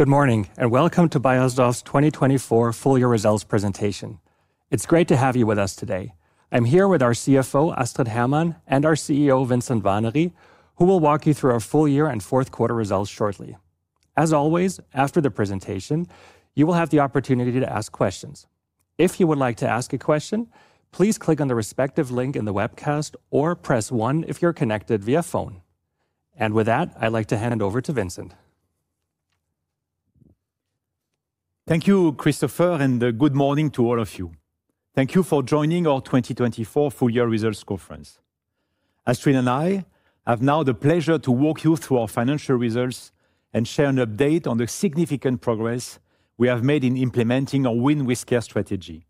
Good morning and welcome to Beiersdorf's 2024 full-year results presentation. It's great to have you with us today. I'm here with our CFO, Astrid Hermann, and our CEO, Vincent Warnery, who will walk you through our full-year and fourth-quarter results shortly. As always, after the presentation, you will have the opportunity to ask questions. If you would like to ask a question, please click on the respective link in the webcast or press one if you're connected via phone. And with that, I'd like to hand over to Vincent. Thank you, Christopher, and good morning to all of you. Thank you for joining our 2024 full-year results conference. Astrid and I have now the pleasure to walk you through our financial results and share an update on the significant progress we have made in implementing our Win with Care strategy.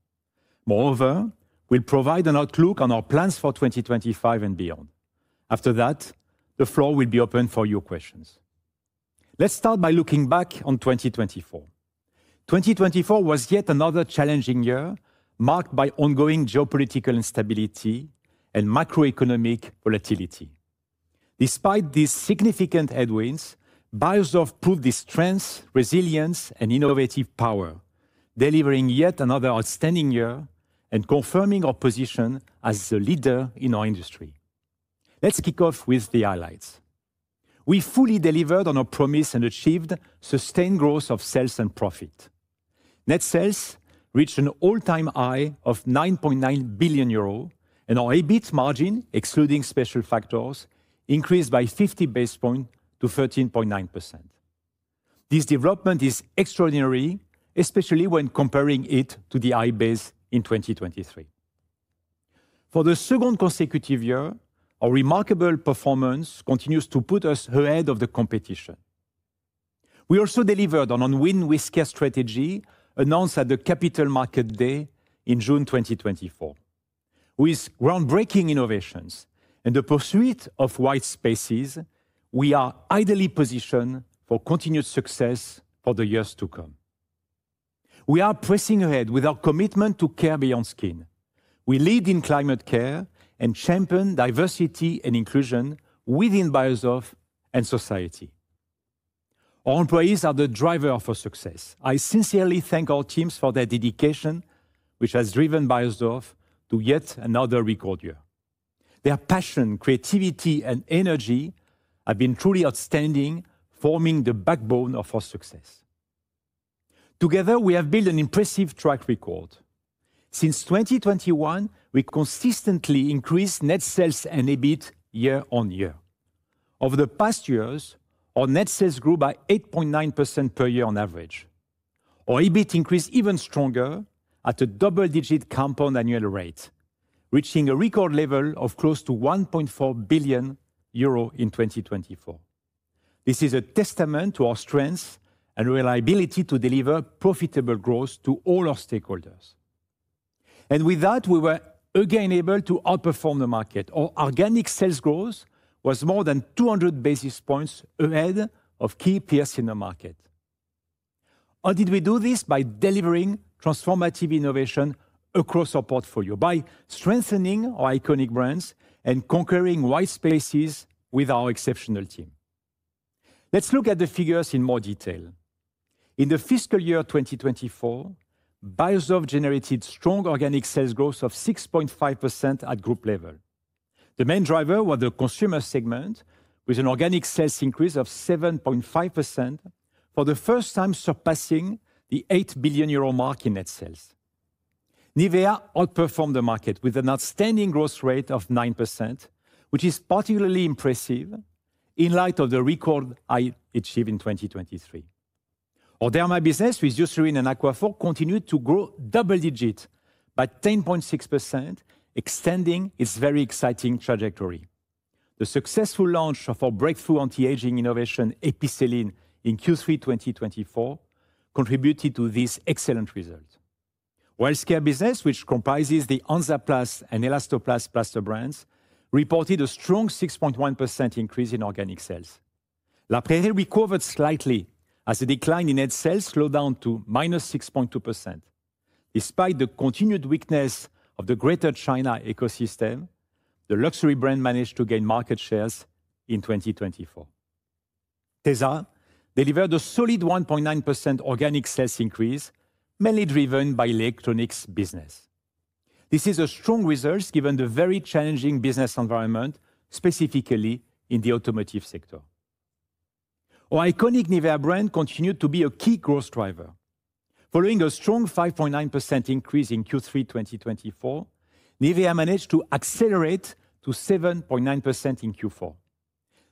Moreover, we'll provide an outlook on our plans for 2025 and beyond. After that, the floor will be open for your questions. Let's start by looking back on 2024. 2024 was yet another challenging year marked by ongoing geopolitical instability and macroeconomic volatility. Despite these significant headwinds, Beiersdorf proved its strength, resilience, and innovative power, delivering yet another outstanding year and confirming our position as the leader in our industry. Let's kick off with the highlights. We fully delivered on our promise and achieved sustained growth of sales and profit. Net sales reached an all-time high of €9.9 billion, and our EBIT margin, excluding special factors, increased by 50 basis points to 13.9%. This development is extraordinary, especially when comparing it to the high base in 2023. For the second consecutive year, our remarkable performance continues to put us ahead of the competition. We also delivered on our Win with Care strategy announced at the Capital Markets Day in June 2024. With groundbreaking innovations and the pursuit of white spaces, we are ideally positioned for continued success for the years to come. We are pressing ahead with our commitment to Care Beyond Skin. We lead in climate care and champion diversity and inclusion within Beiersdorf and society. Our employees are the driver for success. I sincerely thank our teams for their dedication, which has driven Beiersdorf to yet another record year. Their passion, creativity, and energy have been truly outstanding, forming the backbone of our success. Together, we have built an impressive track record. Since 2021, we consistently increased net sales and EBIT year-on-year. Over the past years, our net sales grew by 8.9% per year on average. Our EBIT increased even stronger at a double-digit compound annual rate, reaching a record level of close to €1.4 billion in 2024. This is a testament to our strength and reliability to deliver profitable growth to all our stakeholders. And with that, we were again able to outperform the market. Our organic sales growth was more than 200 basis points ahead of key players in the market. How did we do this? By delivering transformative innovation across our portfolio, by strengthening our iconic brands, and conquering white spaces with our exceptional team. Let's look at the figures in more detail. In the fiscal year 2024, Beiersdorf generated strong organic sales growth of 6.5% at group level. The main driver was the Consumer segment, with an organic sales increase of 7.5%, for the first time surpassing the €8 billion mark in net sales. Nivea outperformed the market with an outstanding growth rate of 9%, which is particularly impressive in light of the record high achieved in 2023. Our Derma business, with Eucerin and Aquaphor, continued to grow double-digit by 10.6%, extending its very exciting trajectory. The successful launch of our breakthrough anti-aging innovation, Epicelline, in Q3 2024 contributed to this excellent result. Our Healthcare business, which comprises the Hansaplast and Elastoplast plaster brands, reported a strong 6.1% increase in organic sales. La Prairie recovered slightly as the decline in net sales slowed down to -6.2%. Despite the continued weakness of the Greater China ecosystem, the luxury brand managed to gain market shares in 2024. Tesa delivered a solid 1.9% organic sales increase, mainly driven by the electronics business. This is a strong result given the very challenging business environment, specifically in the automotive sector. Our iconic Nivea brand continued to be a key growth driver. Following a strong 5.9% increase in Q3 2024, Nivea managed to accelerate to 7.9% in Q4.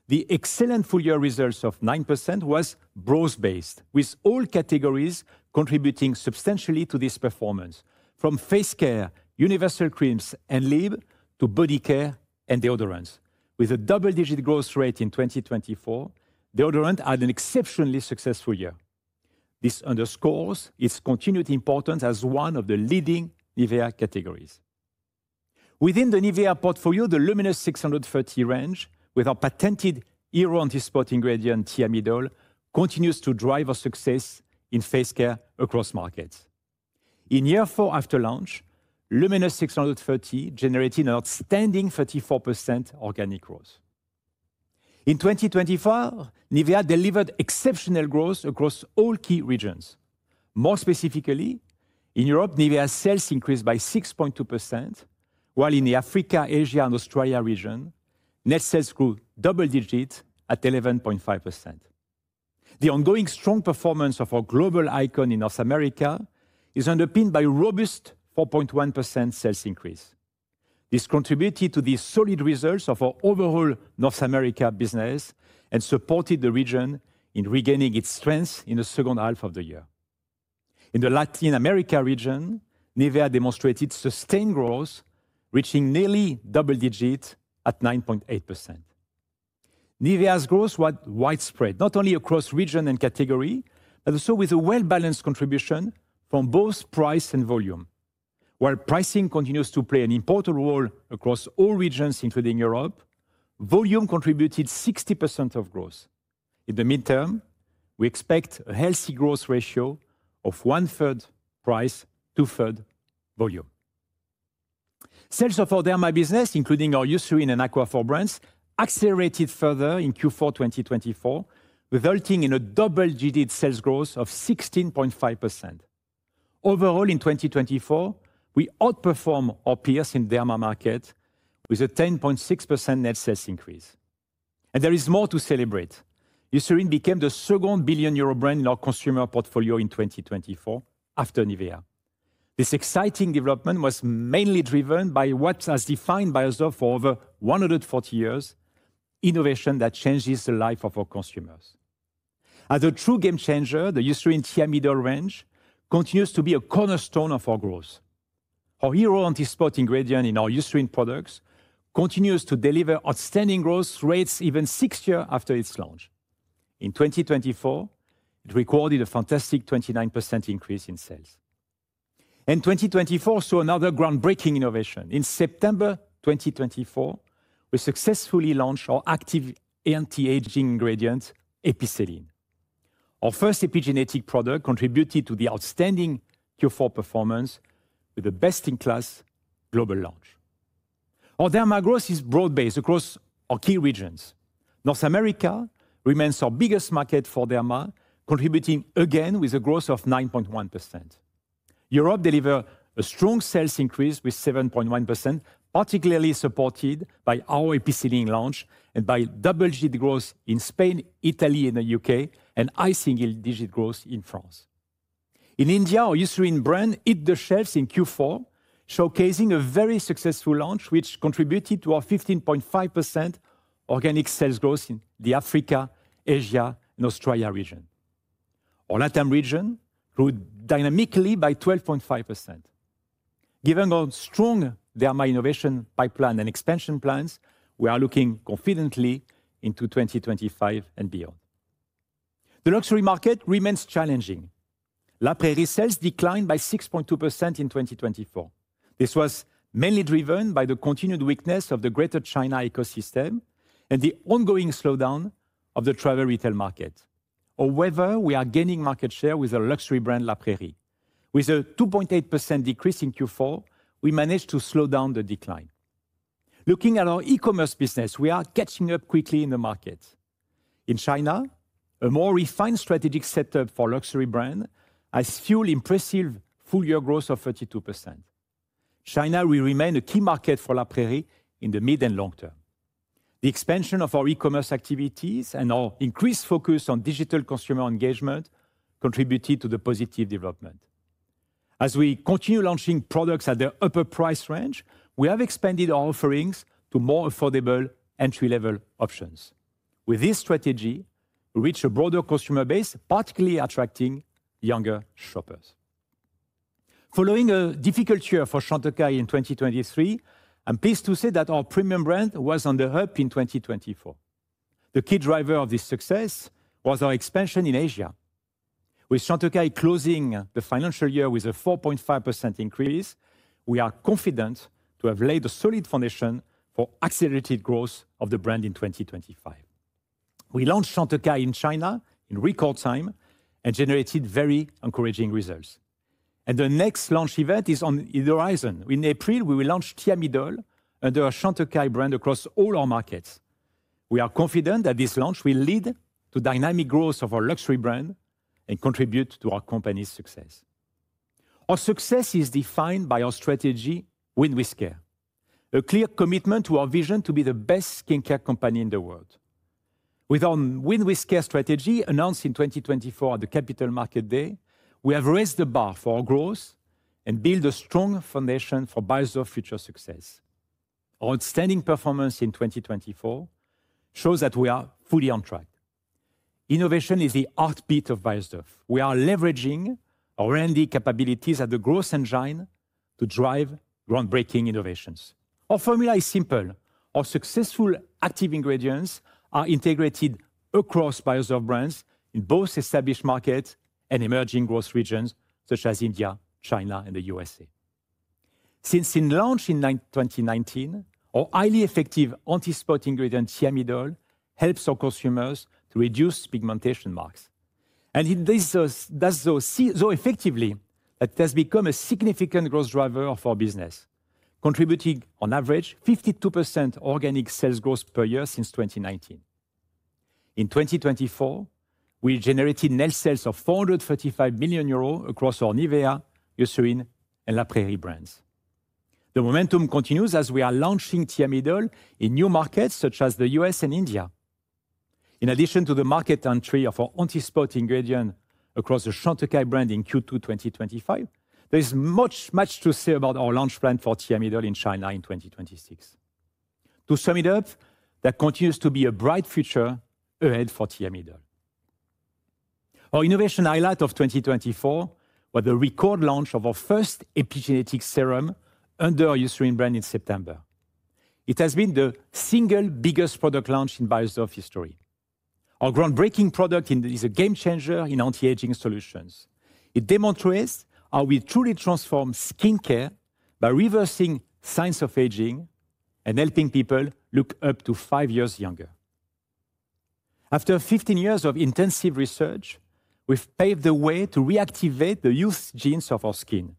The excellent full-year result of 9% was growth-based, with all categories contributing substantially to this performance, from face care, universal creams, and lips to body care and deodorants. With a double-digit growth rate in 2024, deodorants had an exceptionally successful year. This underscores its continued importance as one of the leading Nivea categories. Within the Nivea portfolio, the LUMINOUS630 range, with our patented anti-spot ingredient, Thiamidol, continues to drive our success in face care across markets. In year four after launch, LUMINOUS630 generated an outstanding 34% organic growth. In 2024, Nivea delivered exceptional growth across all key regions. More specifically, in Europe, Nivea's sales increased by 6.2%, while in the Africa, Asia, and Australia region, net sales grew double-digit at 11.5%. The ongoing strong performance of our global icon in North America is underpinned by a robust 4.1% sales increase. This contributed to the solid results of our overall North America business and supported the region in regaining its strength in the second half of the year. In the Latin America region, Nivea demonstrated sustained growth, reaching nearly double-digit at 9.8%. Nivea's growth was widespread, not only across region and category, but also with a well-balanced contribution from both price and volume. While pricing continues to play an important role across all regions, including Europe, volume contributed 60% of growth. In the midterm, we expect a healthy growth ratio of one-third price, two-thirds volume. Sales of our derma business, including our Eucerin and Aquaphor brands, accelerated further in Q4 2024, resulting in a double-digit sales growth of 16.5%. Overall, in 2024, we outperformed our peers in the derma market with a 10.6% net sales increase, and there is more to celebrate. Eucerin became the second billion euro brand in our consumer portfolio in 2024, after Nivea. This exciting development was mainly driven by what has defined Beiersdorf for over 140 years: innovation that changes the life of our consumers. As a true game changer, the Eucerin Thiamidol range continues to be a cornerstone of our growth. Our Thiamidol anti-spot ingredient in our Eucerin products continues to deliver outstanding growth rates even six years after its launch. In 2024, it recorded a fantastic 29% increase in sales. And 2024 saw another groundbreaking innovation. In September 2024, we successfully launched our active anti-aging ingredient, Epicelline. Our first epigenetic product contributed to the outstanding Q4 performance with the best-in-class global launch. Our derma growth is broad-based across our key regions. North America remains our biggest market for derma, contributing again with a growth of 9.1%. Europe delivered a strong sales increase with 7.1%, particularly supported by our Epicelline launch and by double-digit growth in Spain, Italy, and the U.K., and high single-digit growth in France. In India, our Eucerin brand hit the shelves in Q4, showcasing a very successful launch, which contributed to our 15.5% organic sales growth in the Africa, Asia, and Australia region. Our LATAM region grew dynamically by 12.5%. Given our strong derma innovation pipeline and expansion plans, we are looking confidently into 2025 and beyond. The luxury market remains challenging. La Prairie's sales declined by 6.2% in 2024. This was mainly driven by the continued weakness of the Greater China ecosystem and the ongoing slowdown of the travel retail market. However, we are gaining market share with our luxury brand, La Prairie. With a 2.8% decrease in Q4, we managed to slow down the decline. Looking at our e-commerce business, we are catching up quickly in the market. In China, a more refined strategic setup for luxury brands has fueled impressive full-year growth of 32%. China will remain a key market for La Prairie in the mid and long term. The expansion of our e-commerce activities and our increased focus on digital consumer engagement contributed to the positive development. As we continue launching products at the upper price range, we have expanded our offerings to more affordable entry-level options. With this strategy, we reach a broader consumer base, particularly attracting younger shoppers. Following a difficult year for Chantecaille in 2023, I'm pleased to say that our premium brand was on the up in 2024. The key driver of this success was our expansion in Asia. With Chantecaille closing the financial year with a 4.5% increase, we are confident to have laid a solid foundation for accelerated growth of the brand in 2025. We launched Chantecaille in China in record time and generated very encouraging results, and the next launch event is on the horizon. In April, we will launch Thiamidol and our Chantecaille brand across all our markets. We are confident that this launch will lead to dynamic growth of our luxury brand and contribute to our company's success. Our success is defined by our strategy, Win with Care, a clear commitment to our vision to be the best skincare company in the world. With our Win with Care strategy announced in 2024 at the Capital Markets Day, we have raised the bar for our growth and built a strong foundation for Beiersdorf's future success. Our outstanding performance in 2024 shows that we are fully on track. Innovation is the heartbeat of Beiersdorf. We are leveraging our R&D capabilities as the growth engine to drive groundbreaking innovations. Our formula is simple. Our successful active ingredients are integrated across Beiersdorf brands in both established markets and emerging growth regions such as India, China, and the USA. Since its launch in 2019, our highly effective anti-spot ingredient, Thiamidol, helps our consumers to reduce pigmentation marks. And it does so effectively that it has become a significant growth driver for our business, contributing on average 52% organic sales growth per year since 2019. In 2024, we generated net sales of 435 million euros across our Nivea, Eucerin, and La Prairie brands. The momentum continues as we are launching Thiamidol in new markets such as the U.S. and India. In addition to the market entry of our anti-spot ingredient across the Chantecaille brand in Q2 2025, there is much to say about our launch plan for Thiamidol in China in 2026. To sum it up, there continues to be a bright future ahead for Thiamidol. Our innovation highlight of 2024 was the record launch of our first epigenetic serum under our Eucerin brand in September. It has been the single biggest product launch in Beiersdorf history. Our groundbreaking product is a game changer in anti-aging solutions. It demonstrates how we truly transform skincare by reversing signs of aging and helping people look up to five years younger. After 15 years of intensive research, we've paved the way to reactivate the youth genes of our skin.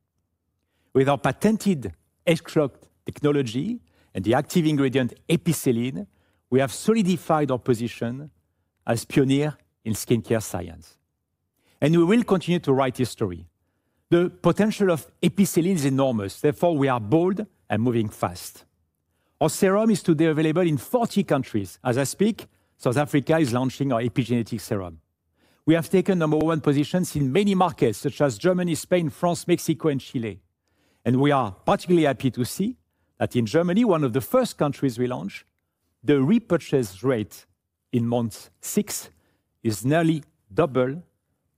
With our patented Age Clock technology and the active ingredient, Epicelline, we have solidified our position as pioneers in skincare science, and we will continue to write history. The potential of Epicelline is enormous. Therefore, we are bold and moving fast. Our serum is today available in 40 countries. As I speak, South Africa is launching our epigenetic serum. We have taken number one position in many markets such as Germany, Spain, France, Mexico, and Chile. And we are particularly happy to see that in Germany, one of the first countries we launched, the repurchase rate in month six is nearly double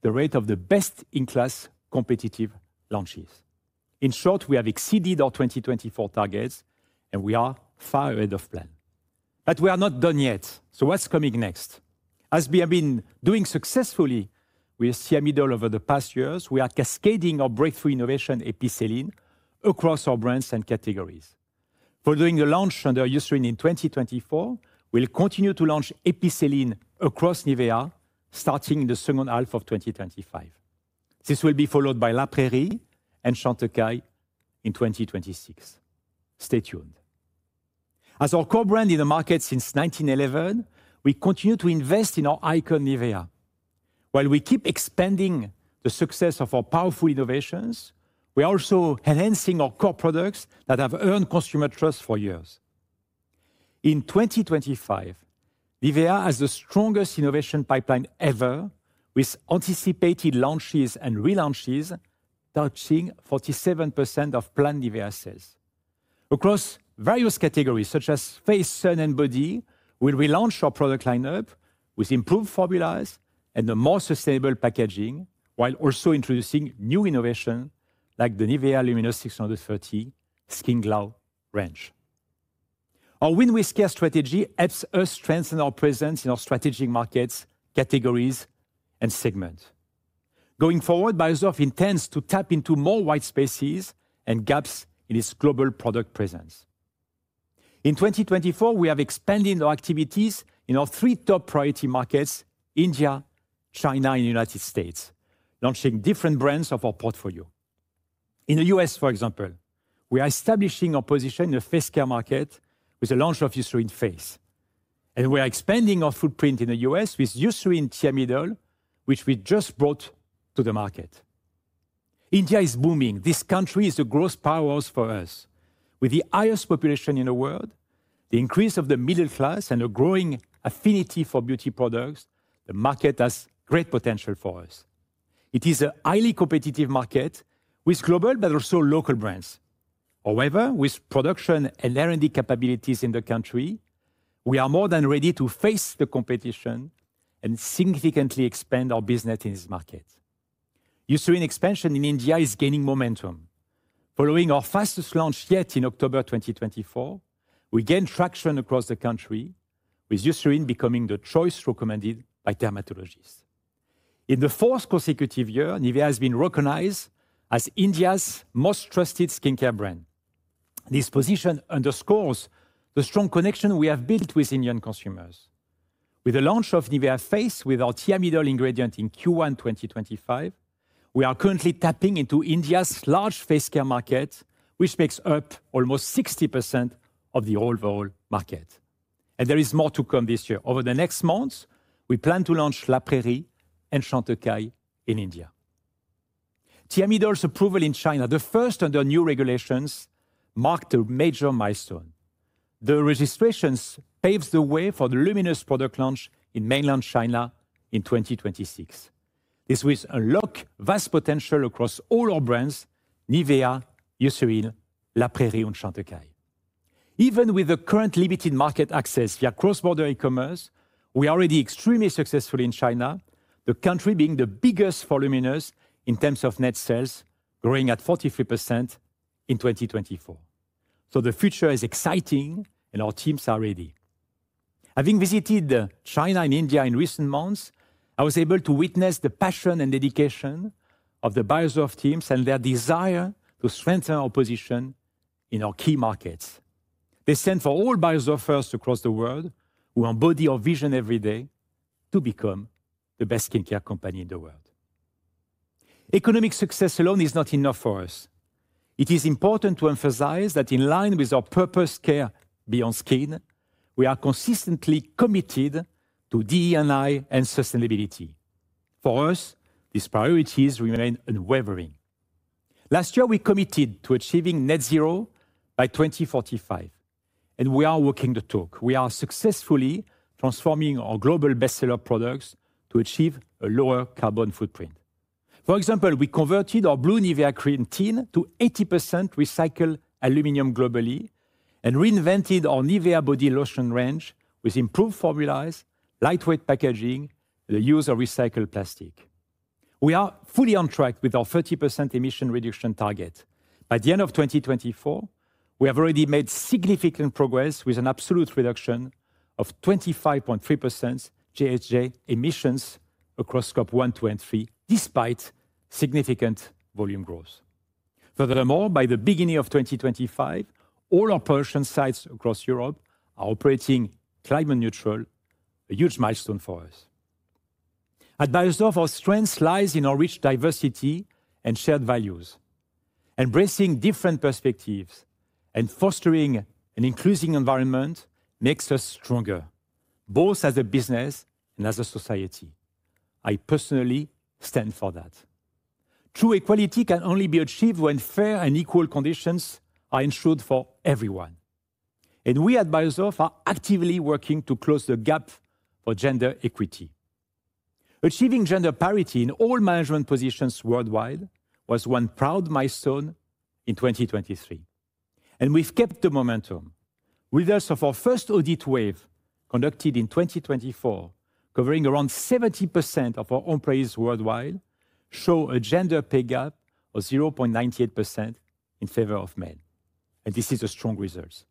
the rate of the best-in-class competitive launches. In short, we have exceeded our 2024 targets, and we are far ahead of plan. But we are not done yet. So what's coming next? As we have been doing successfully with Thiamidol over the past years, we are cascading our breakthrough innovation, Epicelline, across our brands and categories. Following the launch under Eucerin in 2024, we'll continue to launch Epicelline across Nivea, starting in the second half of 2025. This will be followed by La Prairie and Chantecaille in 2026. Stay tuned. As our core brand in the market since 1911, we continue to invest in our icon, Nivea. While we keep expanding the success of our powerful innovations, we are also enhancing our core products that have earned consumer trust for years. In 2025, Nivea has the strongest innovation pipeline ever, with anticipated launches and relaunches touching 47% of planned Nivea sales. Across various categories such as face, skin, and body, we will relaunch our product lineup with improved formulas and a more sustainable packaging, while also introducing new innovations like the Nivea LUMINOUS630 Skin Glow range. Our Win with Care strategy helps us strengthen our presence in our strategic markets, categories, and segments. Going forward, Beiersdorf intends to tap into more white spaces and gaps in its global product presence. In 2024, we have expanded our activities in our three top priority markets: India, China, and the United States, launching different brands of our portfolio. In the U.S., for example, we are establishing our position in the face care market with the launch of Eucerin Face. And we are expanding our footprint in the U.S. with Eucerin Thiamidol, which we just brought to the market. India is booming. This country is a growth powerhouse for us. With the highest population in the world, the increase of the middle class, and a growing affinity for beauty products, the market has great potential for us. It is a highly competitive market with global but also local brands. However, with production and R&D capabilities in the country, we are more than ready to face the competition and significantly expand our business in this market. Eucerin expansion in India is gaining momentum. Following our fastest launch yet in October 2024, we gain traction across the country, with Eucerin becoming the choice recommended by dermatologists. In the fourth consecutive year, Nivea has been recognized as India's most trusted skincare brand. This position underscores the strong connection we have built with Indian consumers. With the launch of Nivea Face with our Thiamidol ingredient in Q1 2025, we are currently tapping into India's large face care market, which makes up almost 60% of the overall market, and there is more to come this year. Over the next months, we plan to launch La Prairie and Chantecaille in India. Thiamidol's approval in China, the first under new regulations, marked a major milestone. The registrations paved the way for the LUMINOUS product launch in mainland China in 2026. This will unlock vast potential across all our brands: Nivea, Eucerin, La Prairie, and Chantecaille. Even with the current limited market access via cross-border e-commerce, we are already extremely successful in China, the country being the biggest for LUMINOUS in terms of net sales, growing at 43% in 2024. So the future is exciting, and our teams are ready. Having visited China and India in recent months, I was able to witness the passion and dedication of the Beiersdorf teams and their desire to strengthen our position in our key markets. They stand for all Beiersdorfers across the world who embody our vision every day to become the best skincare company in the world. Economic success alone is not enough for us. It is important to emphasize that in line with our purpose, Care Beyond Skin, we are consistently committed to DEI and sustainability. For us, these priorities remain unwavering. Last year, we committed to achieving net zero by 2045, and we are walking the talk. We are successfully transforming our global bestseller products to achieve a lower carbon footprint. For example, we converted our blue Nivea Creme to 80% recycled aluminum globally and reinvented our Nivea Body lotion range with improved formulas, lightweight packaging, and the use of recycled plastic. We are fully on track with our 30% emission reduction target. By the end of 2024, we have already made significant progress with an absolute reduction of 25.3% GHG emissions across Scope 1, 2, and 3, despite significant volume growth. Furthermore, by the beginning of 2025, all our production sites across Europe are operating climate neutral. A huge milestone for us. At Beiersdorf, our strength lies in our rich diversity and shared values. Embracing different perspectives and fostering an inclusive environment makes us stronger, both as a business and as a society. I personally stand for that. True equality can only be achieved when fair and equal conditions are ensured for everyone. And we at Beiersdorf are actively working to close the gap for gender equity. Achieving gender parity in all management positions worldwide was one proud milestone in 2023. And we've kept the momentum. Results of our first audit wave conducted in 2024, covering around 70% of our employees worldwide, show a gender pay gap of 0.98% in favor of men. And this is a strong result.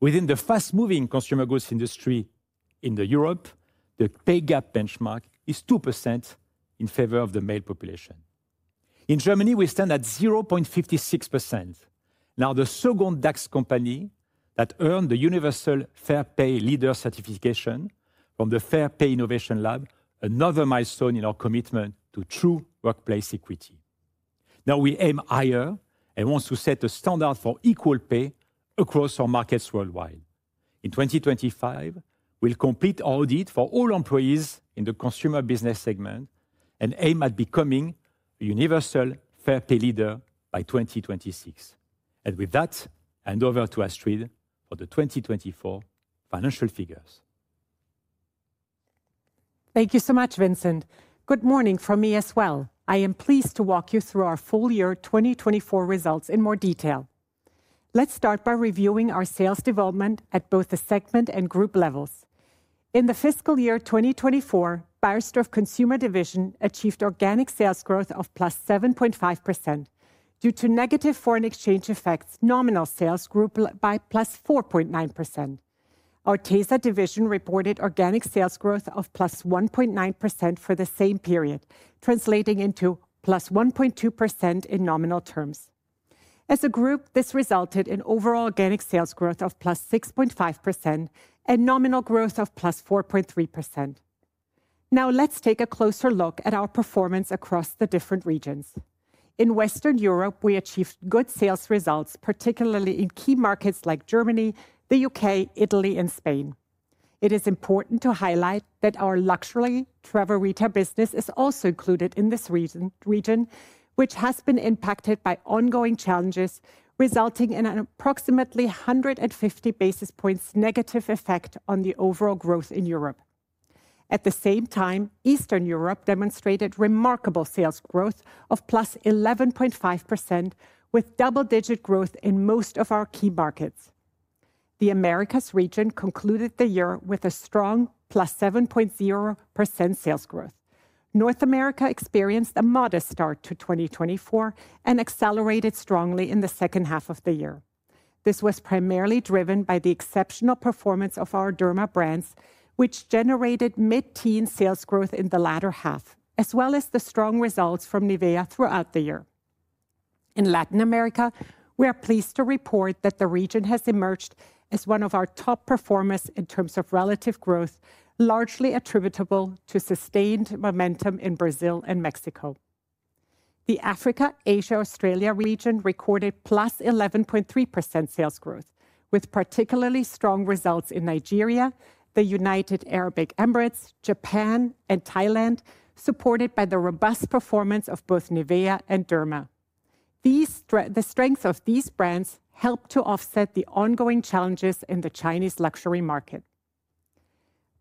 Within the fast-moving consumer goods industry in Europe, the pay gap benchmark is 2% in favor of the male population. In Germany, we stand at 0.56%. Now, the second DAX company that earned the Universal Fair Pay Leader certification from the Fair Pay Innovation Lab, another milestone in our commitment to true workplace equity. Now, we aim higher and want to set a standard for equal pay across our markets worldwide. In 2025, we will complete our audit for all employees in the consumer business segment and aim at becoming a Universal Fair Pay Leader by 2026. And with that, I hand over to Astrid for the 2024 financial figures. Thank you so much, Vincent. Good morning from me as well. I am pleased to walk you through our full year 2024 results in more detail. Let's start by reviewing our sales development at both the segment and group levels. In the fiscal year 2024, Beiersdorf Consumer Division achieved organic sales growth of +7.5%. Due to negative foreign exchange effects, nominal sales grew by +4.9%. Our Tesa Division reported organic sales growth of +1.9% for the same period, translating into plus 1.2% in nominal terms. As a group, this resulted in overall organic sales growth of +6.5% and nominal growth of +4.3%. Now, let's take a closer look at our performance across the different regions. In Western Europe, we achieved good sales results, particularly in key markets like Germany, the U.K., Italy, and Spain. It is important to highlight that our luxury travel retail business is also included in this region, which has been impacted by ongoing challenges, resulting in an approximately 150 basis points negative effect on the overall growth in Europe. At the same time, Eastern Europe demonstrated remarkable sales growth of +11.5%, with double-digit growth in most of our key markets. The Americas region concluded the year with a strong +7.0% sales growth. North America experienced a modest start to 2024 and accelerated strongly in the second half of the year. This was primarily driven by the exceptional performance of our derma brands, which generated mid-teen sales growth in the latter half, as well as the strong results from Nivea throughout the year. In Latin America, we are pleased to report that the region has emerged as one of our top performers in terms of relative growth, largely attributable to sustained momentum in Brazil and Mexico. The Africa, Asia, and Australia region recorded +11.3% sales growth, with particularly strong results in Nigeria, the United Arab Emirates, Japan, and Thailand, supported by the robust performance of both Nivea and derma. The strength of these brands helped to offset the ongoing challenges in the Chinese luxury market.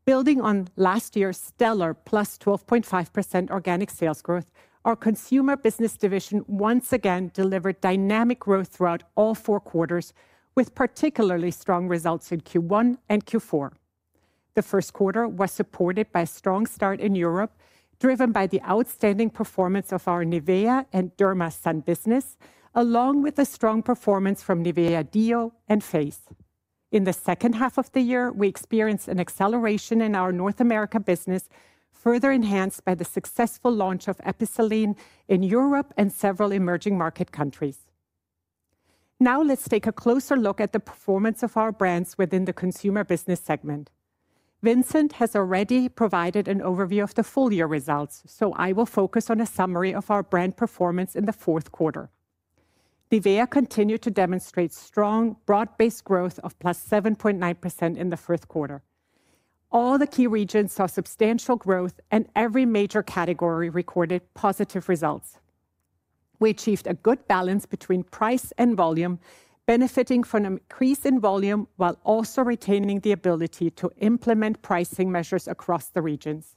Building on last year's stellar +12.5% organic sales growth, our Consumer Business Division once again delivered dynamic growth throughout all four quarters, with particularly strong results in Q1 and Q4. The first quarter was supported by a strong start in Europe, driven by the outstanding performance of our Nivea and Nivea Sun business, along with a strong performance from Nivea Deo and Face. In the second half of the year, we experienced an acceleration in our North America business, further enhanced by the successful launch of Epicelline in Europe and several emerging market countries. Now, let's take a closer look at the performance of our brands within the consumer business segment. Vincent has already provided an overview of the full year results, so I will focus on a summary of our brand performance in the fourth quarter. Nivea continued to demonstrate strong, broad-based growth of +7.9% in the fourth quarter. All the key regions saw substantial growth, and every major category recorded positive results. We achieved a good balance between price and volume, benefiting from an increase in volume while also retaining the ability to implement pricing measures across the regions.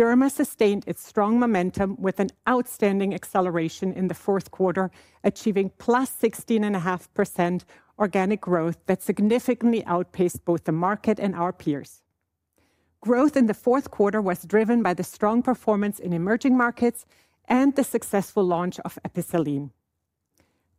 derma sustained its strong momentum with an outstanding acceleration in the fourth quarter, achieving +16.5% organic growth that significantly outpaced both the market and our peers. Growth in the fourth quarter was driven by the strong performance in emerging markets and the successful launch of Epicelline.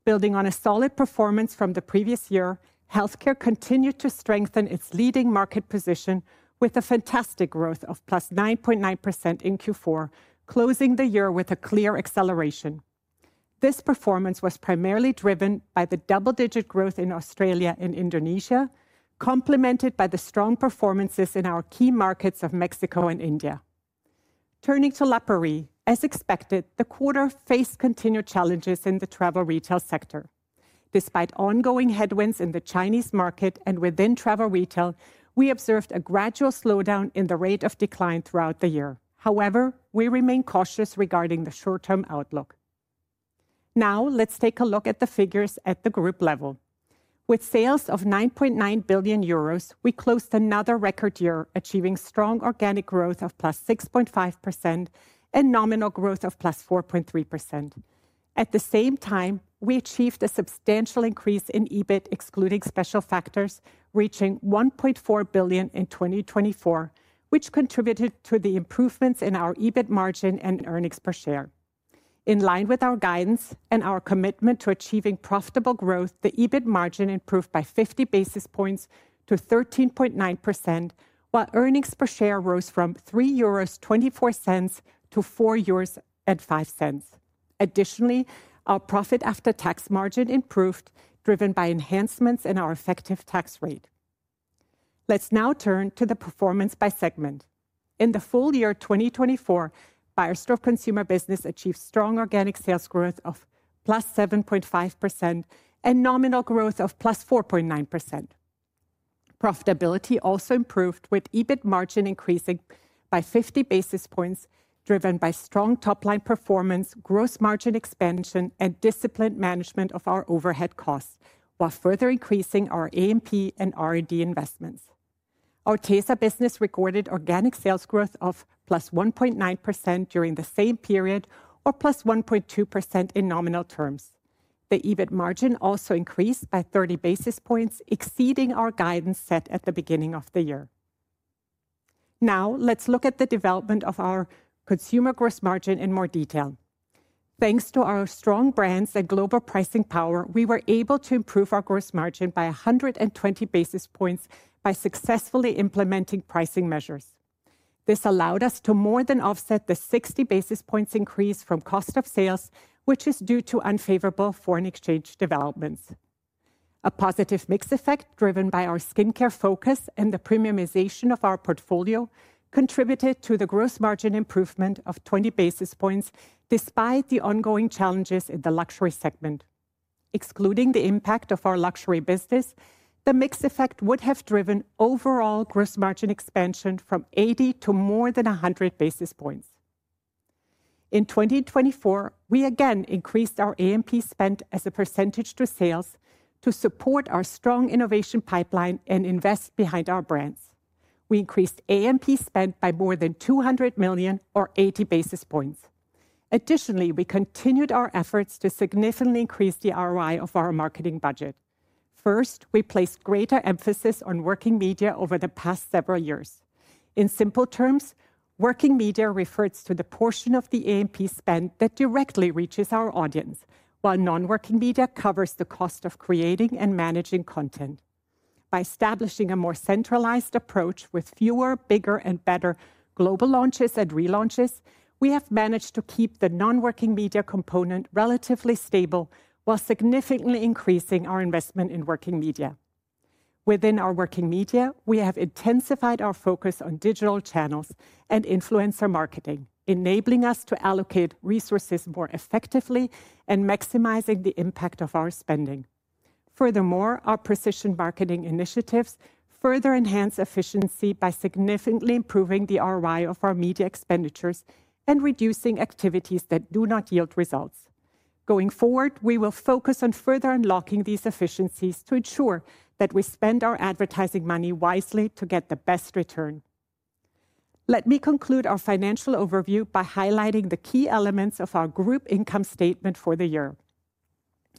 Building on a solid performance from the previous year, Healthcare continued to strengthen its leading market position with a fantastic growth of +9.9% in Q4, closing the year with a clear acceleration. This performance was primarily driven by the double-digit growth in Australia and Indonesia, complemented by the strong performances in our key markets of Mexico and India. Turning to La Prairie, as expected, the quarter faced continued challenges in the travel retail sector. Despite ongoing headwinds in the Chinese market and within travel retail, we observed a gradual slowdown in the rate of decline throughout the year. However, we remain cautious regarding the short-term outlook. Now, let's take a look at the figures at the group level. With sales of 9.9 billion euros, we closed another record year, achieving strong organic growth of +6.5% and nominal growth of +4.3%. At the same time, we achieved a substantial increase in EBIT, excluding special factors, reaching 1.4 billion in 2024, which contributed to the improvements in our EBIT margin and earnings per share. In line with our guidance and our commitment to achieving profitable growth, the EBIT margin improved by 50 basis points to 13.9%, while earnings per share rose from 3.24 euros to 4.05 euros. Additionally, our profit after tax margin improved, driven by enhancements in our effective tax rate. Let's now turn to the performance by segment. In the full year 2024, Beiersdorf Consumer Business achieved strong organic sales growth of +7.5% and nominal growth of +4.9%. Profitability also improved, with EBIT margin increasing by 50 basis points, driven by strong top-line performance, gross margin expansion, and disciplined management of our overhead costs, while further increasing our A&P and R&D investments. Our Tesa business recorded organic sales growth of +1.9% during the same period, or +1.2% in nominal terms. The EBIT margin also increased by 30 basis points, exceeding our guidance set at the beginning of the year. Now, let's look at the development of our consumer gross margin in more detail. Thanks to our strong brands and global pricing power, we were able to improve our gross margin by 120 basis points by successfully implementing pricing measures. This allowed us to more than offset the 60 basis points increase from cost of sales, which is due to unfavorable foreign exchange developments. A positive mix effect, driven by our skincare focus and the premiumization of our portfolio, contributed to the gross margin improvement of 20 basis points, despite the ongoing challenges in the luxury segment. Excluding the impact of our luxury business, the mix effect would have driven overall gross margin expansion from 80 to more than 100 basis points. In 2024, we again increased our A&P spend as a percentage to sales to support our strong innovation pipeline and invest behind our brands. We increased A&P spend by more than 200 million, or 80 basis points. Additionally, we continued our efforts to significantly increase the ROI of our marketing budget. First, we placed greater emphasis on working media over the past several years. In simple terms, working media refers to the portion of the A&P spend that directly reaches our audience, while non-working media covers the cost of creating and managing content. By establishing a more centralized approach with fewer, bigger, and better global launches and relaunches, we have managed to keep the non-working media component relatively stable while significantly increasing our investment in working media. Within our working media, we have intensified our focus on digital channels and influencer marketing, enabling us to allocate resources more effectively and maximizing the impact of our spending. Furthermore, our precision marketing initiatives further enhance efficiency by significantly improving the ROI of our media expenditures and reducing activities that do not yield results. Going forward, we will focus on further unlocking these efficiencies to ensure that we spend our advertising money wisely to get the best return. Let me conclude our financial overview by highlighting the key elements of our group income statement for the year.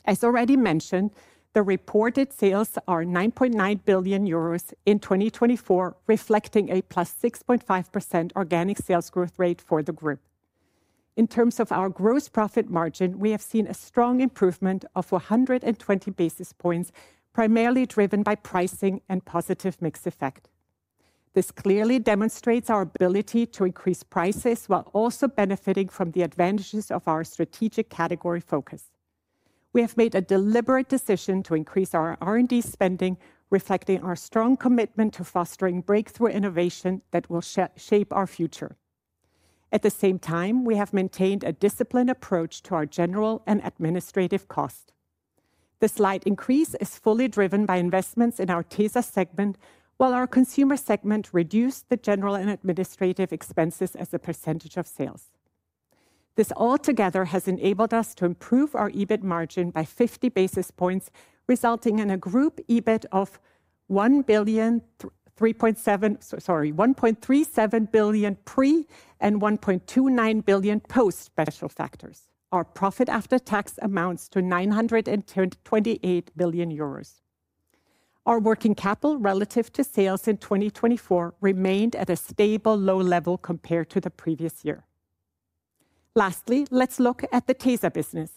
As already mentioned, the reported sales are 9.9 billion euros in 2024, reflecting a plus 6.5% organic sales growth rate for the group. In terms of our gross profit margin, we have seen a strong improvement of 120 basis points, primarily driven by pricing and positive mix effect. This clearly demonstrates our ability to increase prices while also benefiting from the advantages of our strategic category focus. We have made a deliberate decision to increase our R&D spending, reflecting our strong commitment to fostering breakthrough innovation that will shape our future. At the same time, we have maintained a disciplined approach to our general and administrative cost. This slight increase is fully driven by investments in our Tesa segment, while our Consumer segment reduced the general and administrative expenses as a percentage of sales. This altogether has enabled us to improve our EBIT margin by 50 basis points, resulting in a group EBIT of 1.37 billion pre and 1.29 billion post special factors. Our profit after tax amounts to 928 million euros. Our working capital relative to sales in 2024 remained at a stable low level compared to the previous year. Lastly, let's look at the Tesa business.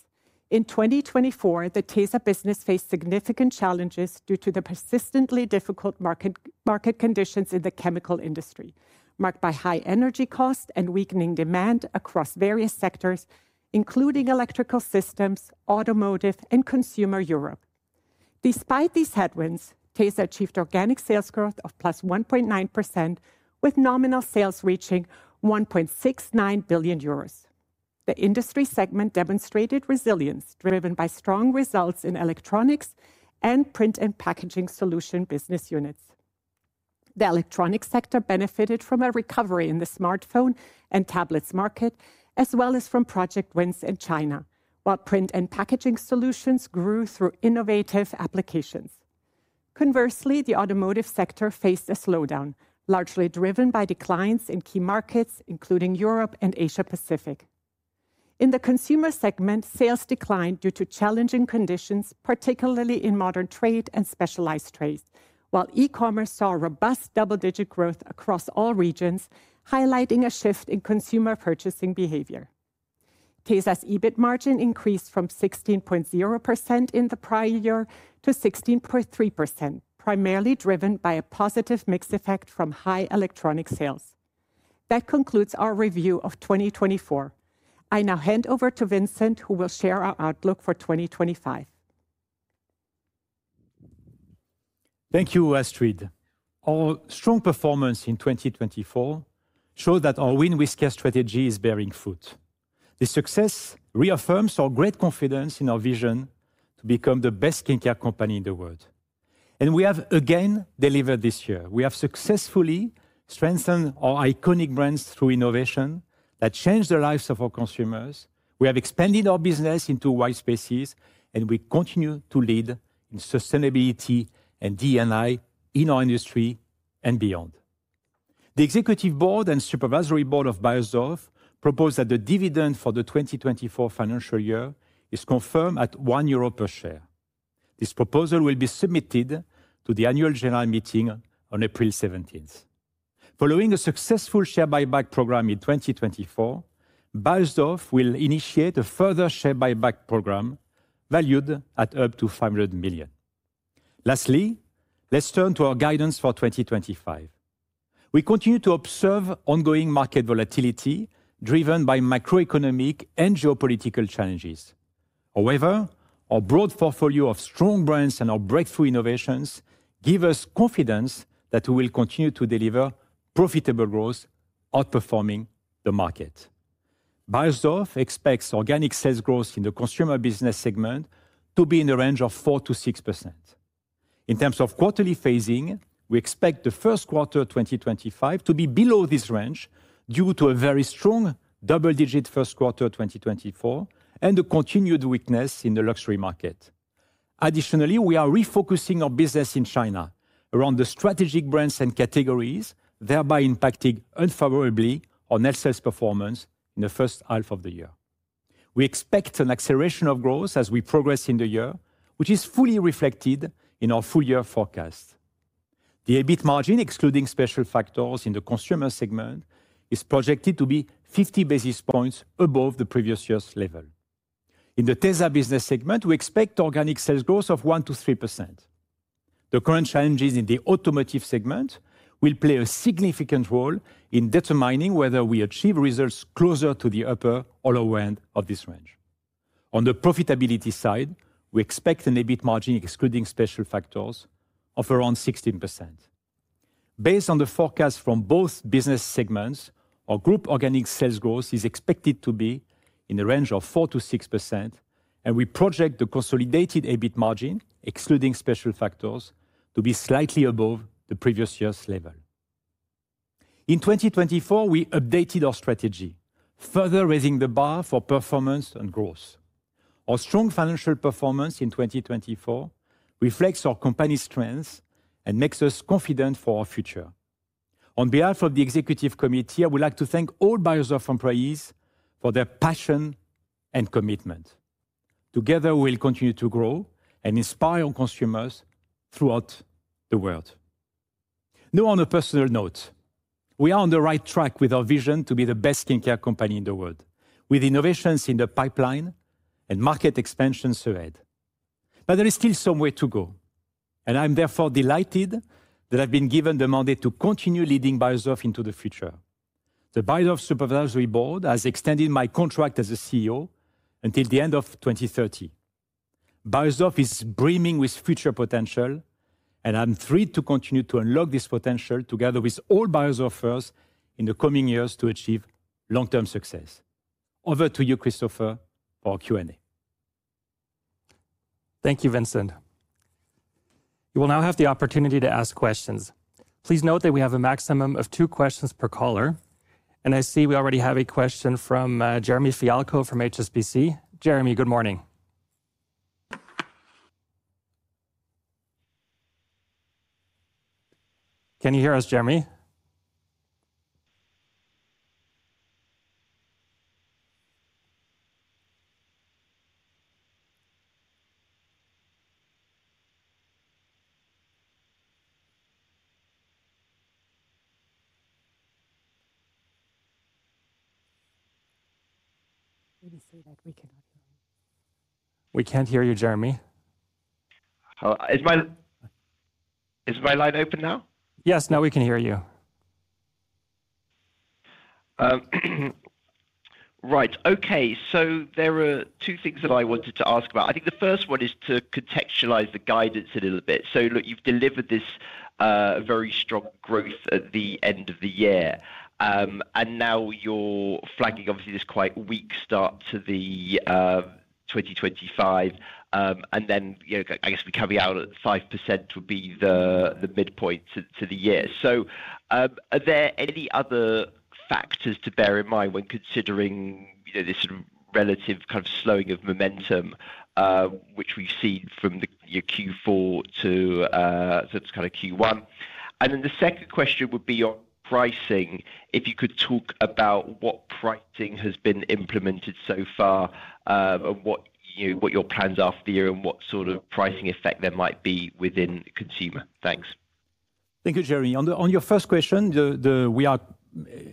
In 2024, the Tesa business faced significant challenges due to the persistently difficult market conditions in the chemical industry, marked by high energy costs and weakening demand across various sectors, including electrical systems, automotive, and Consumer Europe. Despite these headwinds, Tesa achieved organic sales growth of +1.9%, with nominal sales reaching 1.69 billion euros. The Industry segment demonstrated resilience, driven by strong results in electronics and Print & Packaging Solutions business units. The electronics sector benefited from a recovery in the smartphone and tablets market, as well as from project wins in China, while Print & Packaging Solutions grew through innovative applications. Conversely, the automotive sector faced a slowdown, largely driven by declines in key markets, including Europe and Asia-Pacific. In the Consumer segment, sales declined due to challenging conditions, particularly in modern trade and specialized trades, while e-commerce saw robust double-digit growth across all regions, highlighting a shift in consumer purchasing behavior. Tesa's EBIT margin increased from 16.0% in the prior year to 16.3%, primarily driven by a positive mix effect from high electronic sales. That concludes our review of 2024. I now hand over to Vincent, who will share our outlook for 2025. Thank you, Astrid. Our strong performance in 2024 shows that our win with care strategy is bearing fruit. The success reaffirms our great confidence in our vision to become the best skincare company in the world, and we have again delivered this year. We have successfully strengthened our iconic brands through innovation that changed the lives of our consumers. We have expanded our business into white spaces, and we continue to lead in sustainability and D&I in our industry and beyond. The Executive Board and Supervisory Board of Beiersdorf propose that the dividend for the 2024 financial year is confirmed at 1 euro per share. This proposal will be submitted to the annual general meeting on April 17th. Following a successful share buyback program in 2024, Beiersdorf will initiate a further share buyback program valued at up to 500 million. Lastly, let's turn to our guidance for 2025. We continue to observe ongoing market volatility driven by macroeconomic and geopolitical challenges. However, our broad portfolio of strong brands and our breakthrough innovations give us confidence that we will continue to deliver profitable growth, outperforming the market. Beiersdorf expects organic sales growth in the consumer business segment to be in the range of 4%-6%. In terms of quarterly phasing, we expect the first quarter of 2025 to be below this range due to a very strong double-digit first quarter of 2024 and the continued weakness in the luxury market. Additionally, we are refocusing our business in China around the strategic brands and categories, thereby impacting unfavorably on net sales performance in the first half of the year. We expect an acceleration of growth as we progress in the year, which is fully reflected in our full year forecast. The EBIT margin, excluding special factors in the Consumer segment, is projected to be 50 basis points above the previous year's level. In the Tesa business segment, we expect organic sales growth of 1%-3%. The current challenges in the automotive segment will play a significant role in determining whether we achieve results closer to the upper or lower end of this range. On the profitability side, we expect an EBIT margin, excluding special factors, of around 16%. Based on the forecast from both business segments, our group organic sales growth is expected to be in the range of 4%-6%, and we project the consolidated EBIT margin, excluding special factors, to be slightly above the previous year's level. In 2024, we updated our strategy, further raising the bar for performance and growth. Our strong financial performance in 2024 reflects our company's strengths and makes us confident for our future. On behalf of the Executive Committee, I would like to thank all Beiersdorf employees for their passion and commitment. Together, we will continue to grow and inspire our consumers throughout the world. Now, on a personal note, we are on the right track with our vision to be the best skincare company in the world, with innovations in the pipeline and market expansions ahead. But there is still some way to go, and I'm therefore delighted that I've been given the mandate to continue leading Beiersdorf into the future. The Beiersdorf Supervisory Board has extended my contract as CEO until the end of 2030. Beiersdorf is brimming with future potential, and I'm thrilled to continue to unlock this potential together with all Beiersdorfers in the coming years to achieve long-term success. Over to you, Christopher, for our Q&A. Thank you, Vincent. You will now have the opportunity to ask questions. Please note that we have a maximum of two questions per caller, and I see we already have a question from Jeremy Fialko from HSBC. Jeremy, good morning. Can you hear us, Jeremy? We can't hear you, Jeremy. Is my line open now? Yes, now we can hear you. Right, okay. So there are two things that I wanted to ask about. I think the first one is to contextualize the guidance a little bit. So look, you've delivered this very strong growth at the end of the year, and now you're flagging, obviously, this quite weak start to 2025. And then I guess the carryover at 5% would be the midpoint to the year. So are there any other factors to bear in mind when considering this relative kind of slowing of momentum, which we've seen from Q4 to kind of Q1? And then the second question would be on pricing. If you could talk about what pricing has been implemented so far and what your plans are for the year and what sort of pricing effect there might be within consumer? Thanks. Thank you, Jeremy. On your first question, we are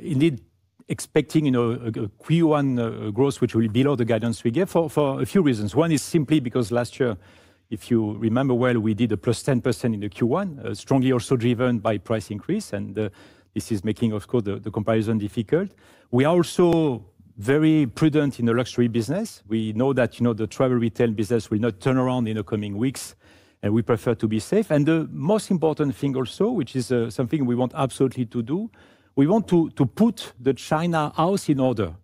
indeed expecting a Q1 growth, which will be below the guidance we give for a few reasons. One is simply because last year, if you remember well, we did a +10% in the Q1, strongly also driven by price increase, and this is making, of course, the comparison difficult. We are also very prudent in the luxury business. We know that the travel retail business will not turn around in the coming weeks, and we prefer to be safe. The most important thing also, which is something we want absolutely to do, we want to put the China house in order.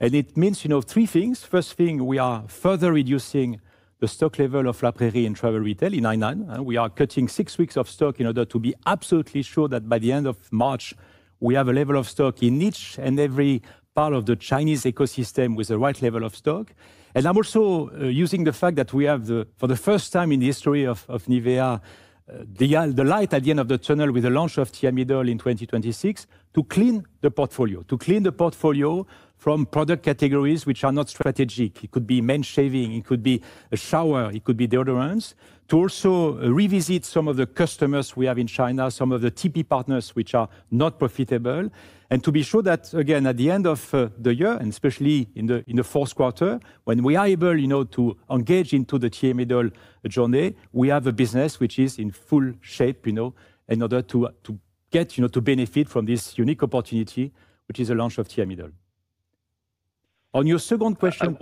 It means three things. First thing, we are further reducing the stock level of La Prairie in travel retail in Hainan. We are cutting six weeks of stock in order to be absolutely sure that by the end of March, we have a level of stock in each and every part of the Chinese ecosystem with the right level of stock. And I'm also using the fact that we have, for the first time in the history of Nivea, the light at the end of the tunnel with the launch of Thiamidol in 2026 to clean the portfolio, to clean the portfolio from product categories which are not strategic. It could be men shaving, it could be a shower, it could be deodorants, to also revisit some of the customers we have in China, some of the TP partners which are not profitable, and to be sure that, again, at the end of the year, and especially in the fourth quarter, when we are able to engage into the Thiamidol journey, we have a business which is in full shape in order to get to benefit from this unique opportunity, which is the launch of Thiamidol. On your second question.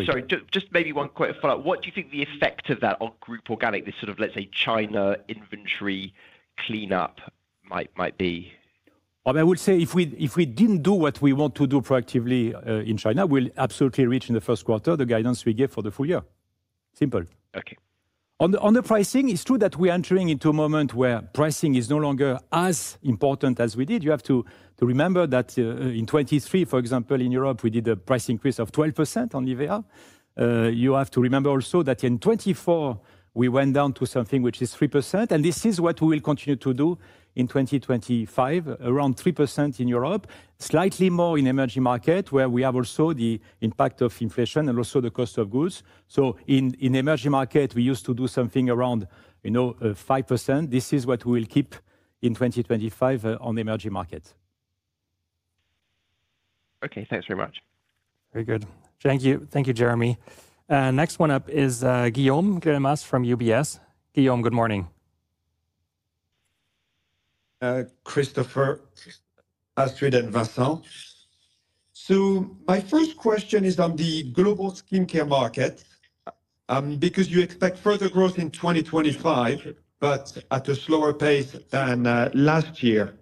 Sorry, just maybe one quick follow-up. What do you think the effect of that on group organic, this sort of, let's say, China inventory cleanup might be? I would say if we didn't do what we want to do proactively in China, we'll absolutely reach in the first quarter the guidance we give for the full year. Simple. Okay. On the pricing, it's true that we are entering into a moment where pricing is no longer as important as we did. You have to remember that in 2023, for example, in Europe, we did a price increase of 12% on Nivea. You have to remember also that in 2024, we went down to something which is 3%, and this is what we will continue to do in 2025, around 3% in Europe, slightly more in emerging markets where we have also the impact of inflation and also the cost of goods. So in emerging markets, we used to do something around 5%. This is what we will keep in 2025 on emerging markets. Okay, thanks very much. Very good. Thank you. Thank you, Jeremy. Next one up is Guillaume Delmas from UBS. Guillaume, good morning. Christopher, Astrid, and Vincent. So my first question is on the global skincare market because you expect further growth in 2025, but at a slower pace than last year.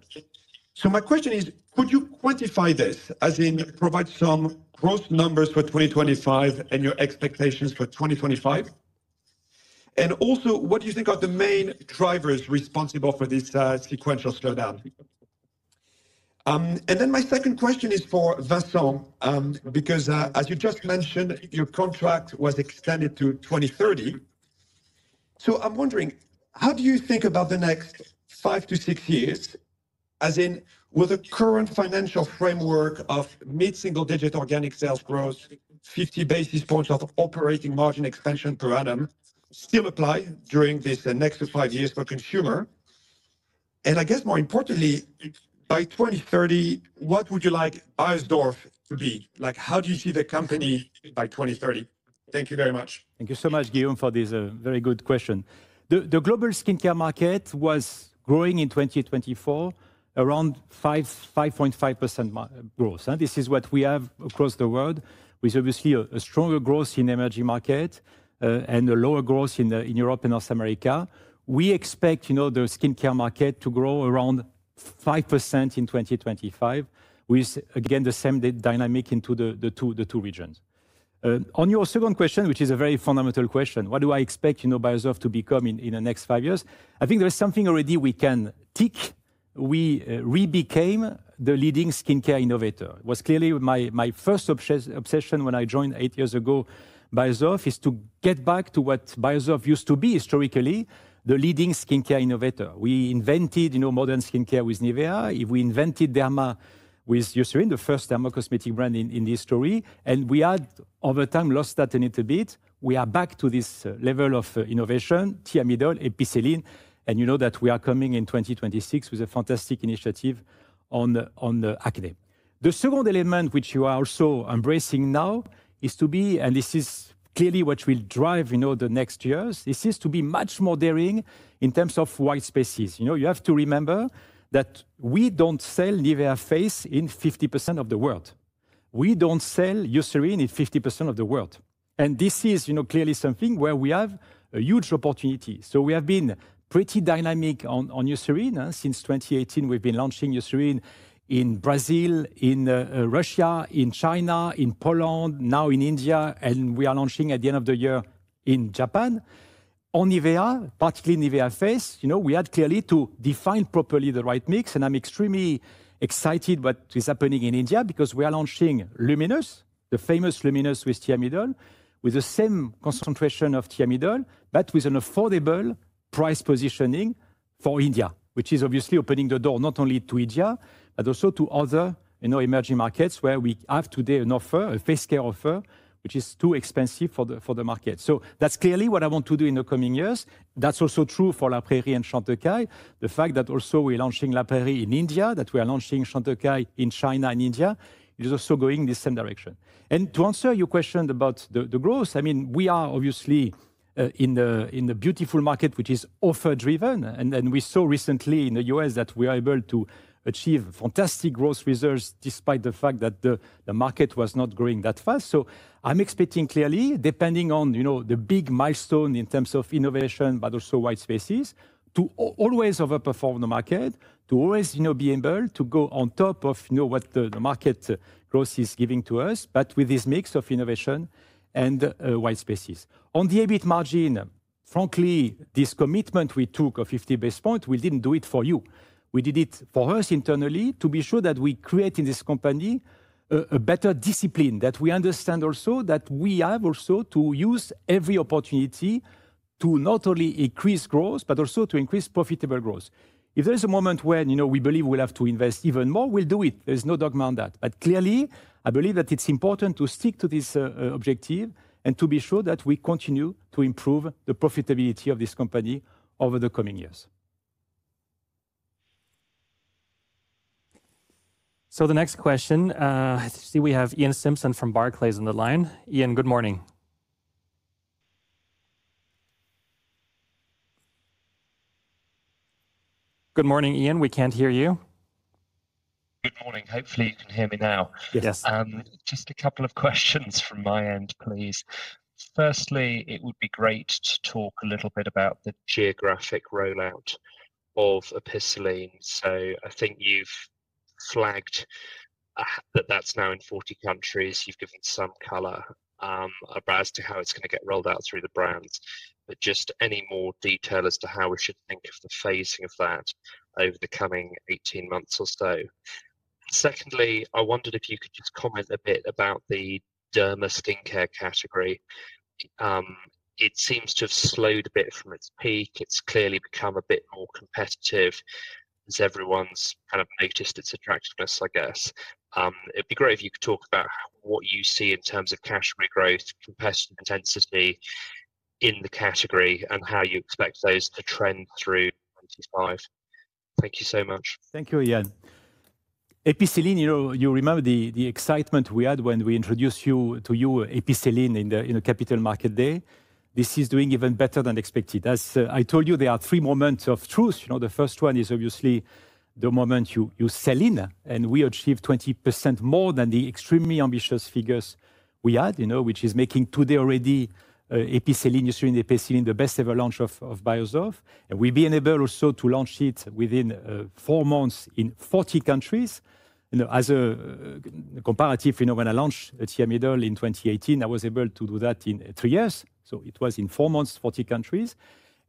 So my question is, could you quantify this, as in provide some gross numbers for 2025 and your expectations for 2025? And also, what do you think are the main drivers responsible for this sequential slowdown? And then my second question is for Vincent because, as you just mentioned, your contract was extended to 2030. So I'm wondering, how do you think about the next five to six years, as in will the current financial framework of mid-single-digit organic sales growth, 50 basis points of operating margin expansion per annum still apply during this next five years for consumers? And I guess, more importantly, by 2030, what would you like Beiersdorf to be? How do you see the company by 2030? Thank you very much. Thank you so much, Guillaume, for these very good questions. The global skincare market was growing in 2024, around 5.5% growth. This is what we have across the world, with obviously a stronger growth in the emerging market and a lower growth in Europe and North America. We expect the skincare market to grow around 5% in 2025, with, again, the same dynamic into the two regions. On your second question, which is a very fundamental question, what do I expect Beiersdorf to become in the next five years? I think there is something already we can tick. We have become the leading skincare innovator. It was clearly my first obsession when I joined eight years ago, Beiersdorf, is to get back to what Beiersdorf used to be historically, the leading skincare innovator. We invented modern skincare with Nivea. We invented derma with Eucerin, the first derma cosmetic brand in history. We had, over time, lost that a little bit. We are back to this level of innovation, Thiamidol, Epicelline. You know that we are coming in 2026 with a fantastic initiative on acne. The second element, which you are also embracing now, is to be, and this is clearly what will drive the next years, is to be much more daring in terms of white spaces. You have to remember that we don't sell Nivea Face in 50% of the world. We don't sell Eucerin in 50% of the world. This is clearly something where we have a huge opportunity. We have been pretty dynamic on Eucerin. Since 2018, we've been launching Eucerin in Brazil, in Russia, in China, in Poland, now in India, and we are launching at the end of the year in Japan. On Nivea, particularly Nivea Face, we had clearly to define properly the right mix, and I'm extremely excited about what is happening in India because we are launching LUMINOUS, the famous LUMINOUS with Thiamidol, with the same concentration of Thiamidol, but with an affordable price positioning for India, which is obviously opening the door not only to India, but also to other emerging markets where we have today an offer, a face care offer, which is too expensive for the market. That's clearly what I want to do in the coming years. That's also true for La Prairie and Chantecaille. The fact that also we're launching La Prairie in India, that we are launching Chantecaille in China and India, it is also going in the same direction, and to answer your question about the growth, I mean, we are obviously in the beauty market, which is offer-driven. And then we saw recently in the U.S. that we are able to achieve fantastic growth results despite the fact that the market was not growing that fast. So I'm expecting clearly, depending on the big milestone in terms of innovation, but also white spaces, to always overperform the market, to always be able to go on top of what the market growth is giving to us, but with this mix of innovation and white spaces. On the EBIT margin, frankly, this commitment we took of 50 basis points, we didn't do it for you. We did it for us internally to be sure that we create in this company a better discipline, that we understand also that we have also to use every opportunity to not only increase growth, but also to increase profitable growth. If there is a moment when we believe we'll have to invest even more, we'll do it. There's no dogma on that. But clearly, I believe that it's important to stick to this objective and to be sure that we continue to improve the profitability of this company over the coming years. So the next question, I see we have Iain Simpson from Barclays on the line. Iain, good morning. Good morning, Iain. We can't hear you. Good morning. Hopefully, you can hear me now. Yes. Just a couple of questions from my end, please. Firstly, it would be great to talk a little bit about the geographic rollout of Epicelline. So I think you've flagged that that's now in 40 countries. You've given some color as to how it's going to get rolled out through the brands, but just any more detail as to how we should think of the phasing of that over the coming 18 months or so. Secondly, I wondered if you could just comment a bit about the derma skincare category. It seems to have slowed a bit from its peak. It's clearly become a bit more competitive, as everyone's kind of noticed its attractiveness, I guess. It'd be great if you could talk about what you see in terms of category growth, competitive intensity in the category, and how you expect those to trend through 2025. Thank you so much. Thank you, Ian. Epicelline, you remember the excitement we had when we introduced you to Epicelline in a Capital Markets Day. This is doing even better than expected. As I told you, there are three moments of truth. The first one is obviously the moment you sell in, and we achieve 20% more than the extremely ambitious figures we had, which is making today already Epicelline, Eucerin, Epicelline, the best-ever launch of Beiersdorf. And we've been able also to launch it within four months in 40 countries. As a comparative, when I launched Thiamidol in 2018, I was able to do that in three years. So it was in four months, 40 countries.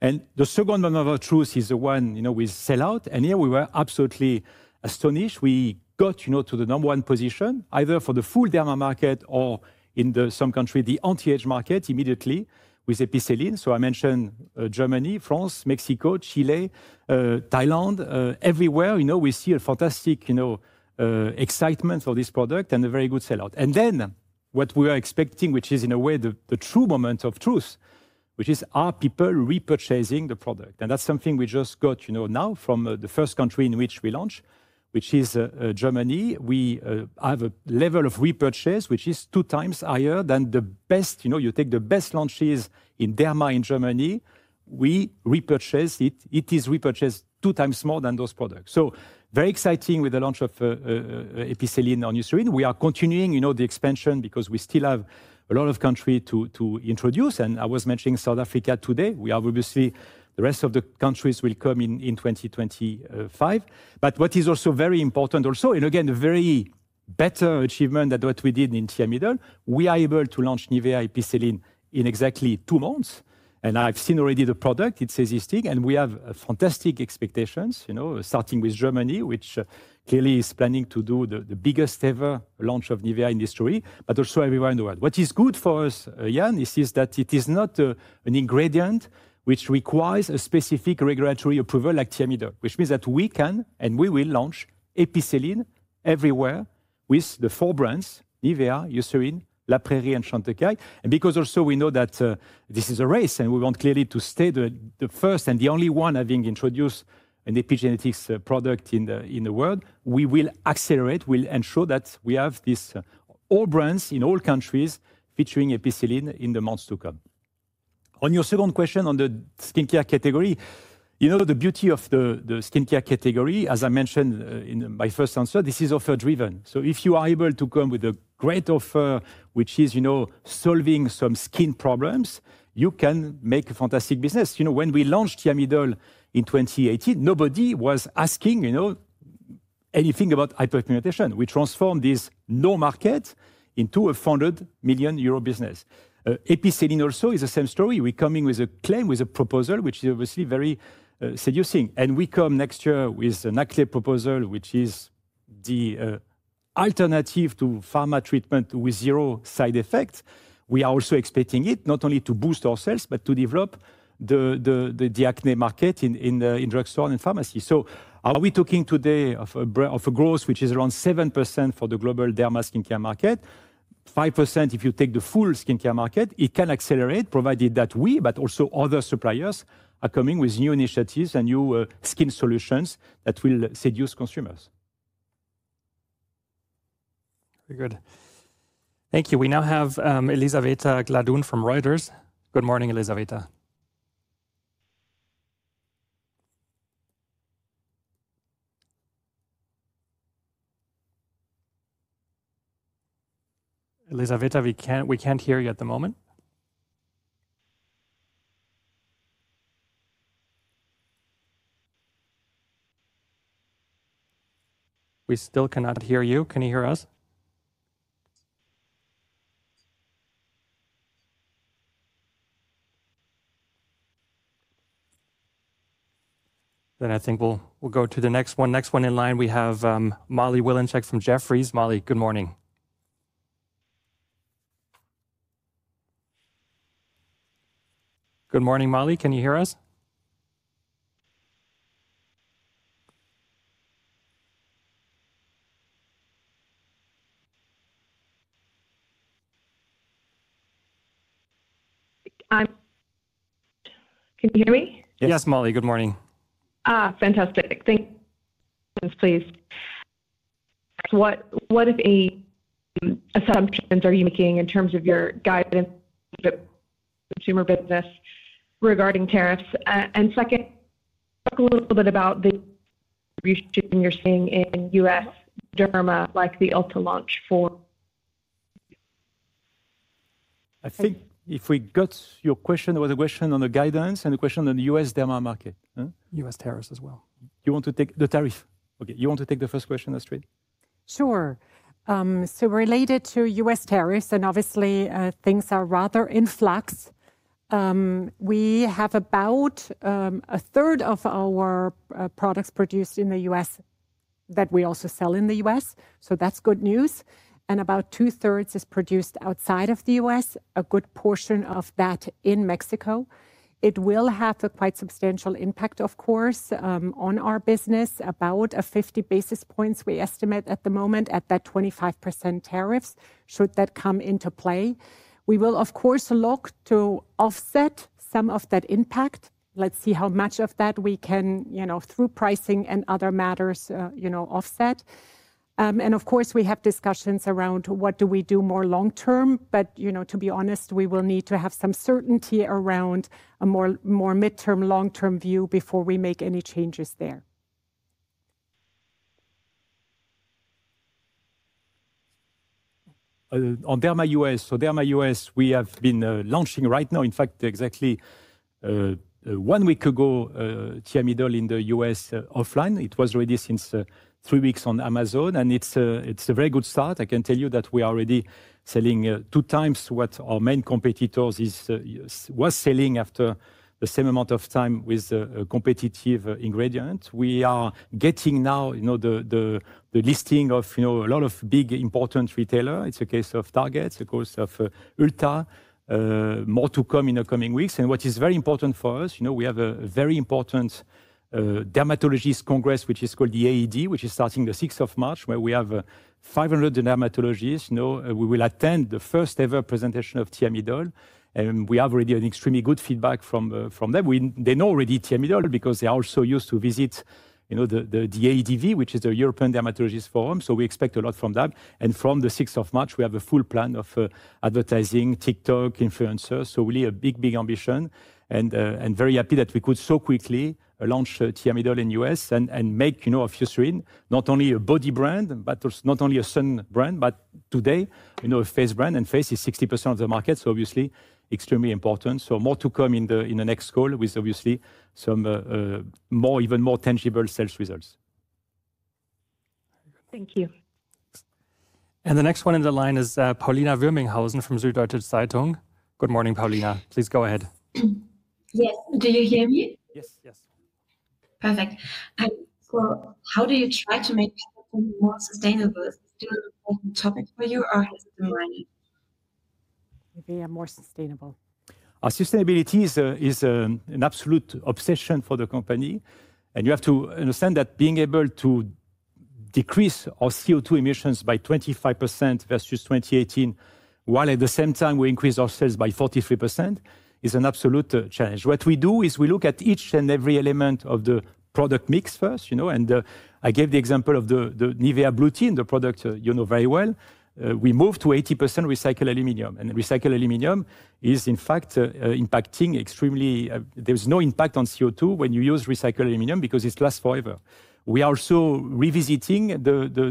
And the second moment of truth is the one we sell out. And here, we were absolutely astonished. We got to the number one position, either for the full derma market or in some countries, the anti-aging market immediately with Epicelline. So I mentioned Germany, France, Mexico, Chile, Thailand, everywhere. We see a fantastic excitement for this product and a very good sell out. And then what we were expecting, which is in a way the true moment of truth, which is our people repurchasing the product. And that's something we just got now from the first country in which we launched, which is Germany. We have a level of repurchase which is two times higher than the best. You take the best launches in derma in Germany, we repurchase it. It is repurchased two times more than those products. So very exciting with the launch of Epicelline on Eucerin. We are continuing the expansion because we still have a lot of countries to introduce. And I was mentioning South Africa today. We have obviously the rest of the countries will come in 2025. But what is also very important also, and again, a very better achievement than what we did in Thiamidol, we are able to launch Nivea Epicelline in exactly two months. And I've seen already the product. It's existing, and we have fantastic expectations, starting with Germany, which clearly is planning to do the biggest-ever launch of Nivea in history, but also everywhere in the world. What is good for us, Iain, is that it is not an ingredient which requires a specific regulatory approval like Thiamidol, which means that we can and we will launch Epicelline everywhere with the four brands, Nivea, Eucerin, La Prairie, and Chantecaille. And because also we know that this is a race and we want clearly to stay the first and the only one having introduced an epigenetics product in the world, we will accelerate, will ensure that we have these all brands in all countries featuring Epicelline in the months to come. On your second question on the skincare category, the beauty of the skincare category, as I mentioned in my first answer, this is offer-driven. So if you are able to come with a great offer, which is solving some skin problems, you can make a fantastic business. When we launched Thiamidol in 2018, nobody was asking anything about hyperpigmentation. We transformed this no-market into a 100 million euro business. Epicelline also is the same story. We're coming with a claim, with a proposal, which is obviously very seductive. And we come next year with an acne proposal, which is the alternative to pharma treatment with zero side effects. We are also expecting it not only to boost our sales, but to develop the acne market in drugstores and pharmacies. So are we talking today of a growth which is around 7% for the global derma skincare market? 5% if you take the full skincare market, it can accelerate, provided that we, but also other suppliers, are coming with new initiatives and new skin solutions that will seduce consumers. Very good. Thank you. We now have Elizaveta Gladun from Reuters. Good morning, Elizaveta. Elizaveta, we can't hear you at the moment. We still cannot hear you. Can you hear us? Then I think we'll go to the next one. Next one in line, we have Molly Wylenzek from Jefferies. Molly, good morning. Good morning, Molly. Can you hear us? Can you hear me? Yes, Molly. Good morning. Fantastic. Thank you, please. What, if any, assumptions are you making in terms of your guidance for consumer business regarding tariffs? And second, talk a little bit about the distribution you're seeing in U.S. derma, like the Ulta launch for. I think if we got your question, there was a question on the guidance and a question on the U.S. derma market. U.S. tariffs as well. You want to take the tariff. Okay. You want to take the first question, Astrid? Sure. So related to U.S. tariffs, and obviously, things are rather in flux, we have about a third of our products produced in the U.S. that we also sell in the U.S. So that's good news, and about two-thirds is produced outside of the U.S. A good portion of that in Mexico. It will have a quite substantial impact, of course, on our business, about 50 basis points we estimate at the moment at that 25% tariffs should that come into play. We will, of course, look to offset some of that impact. Let's see how much of that we can, through pricing and other matters, offset. And of course, we have discussions around what do we do more long-term. But to be honest, we will need to have some certainty around a more midterm, long-term view before we make any changes there. On derma U.S., so derma U.S., we have been launching right now. In fact, exactly one week ago, Thiamidol in the U.S. offline. It was already since three weeks on Amazon. And it's a very good start. I can tell you that we are already selling two times what our main competitors were selling after the same amount of time with a competitive ingredient. We are getting now the listing of a lot of big important retailers. It's the case of Target, it's the case of Ulta, more to come in the coming weeks. And what is very important for us, we have a very important dermatologist congress, which is called the AAD, which is starting the 6th of March, where we have 500 dermatologists. We will attend the first-ever presentation of Thiamidol. And we have already had extremely good feedback from them. They know already Thiamidol because they are also used to visit the EADV, which is the European Dermatologists Forum. So we expect a lot from that. And from the 6th of March, we have a full plan of advertising, TikTok, influencers. So really a big, big ambition. And very happy that we could so quickly launch Thiamidol in the U.S. and make of Eucerin not only a body brand, but not only a sun brand, but today a face brand. And face is 60% of the market, so obviously extremely important. So more to come in the next call with obviously some even more tangible sales results. Thank you. And the next one in the line is Paulina Wirminghaus from Süddeutsche Zeitung. Good morning, Paulina. Please go ahead. Yes. Do you hear me? Yes, yes. Perfect. How do you try to make something more sustainable? Is it still an important topic for you or has it been mined? Maybe more sustainable. Sustainability is an absolute obsession for the company. And you have to understand that being able to decrease our CO2 emissions by 25% versus 2018, while at the same time we increase our sales by 43%, is an absolute challenge. What we do is we look at each and every element of the product mix first. And I gave the example of the Nivea Blue Tin, the product you know very well. We moved to 80% recycled aluminum. Recycled aluminum is, in fact, impacting extremely. There's no impact on CO2 when you use recycled aluminum because it lasts forever. We are also revisiting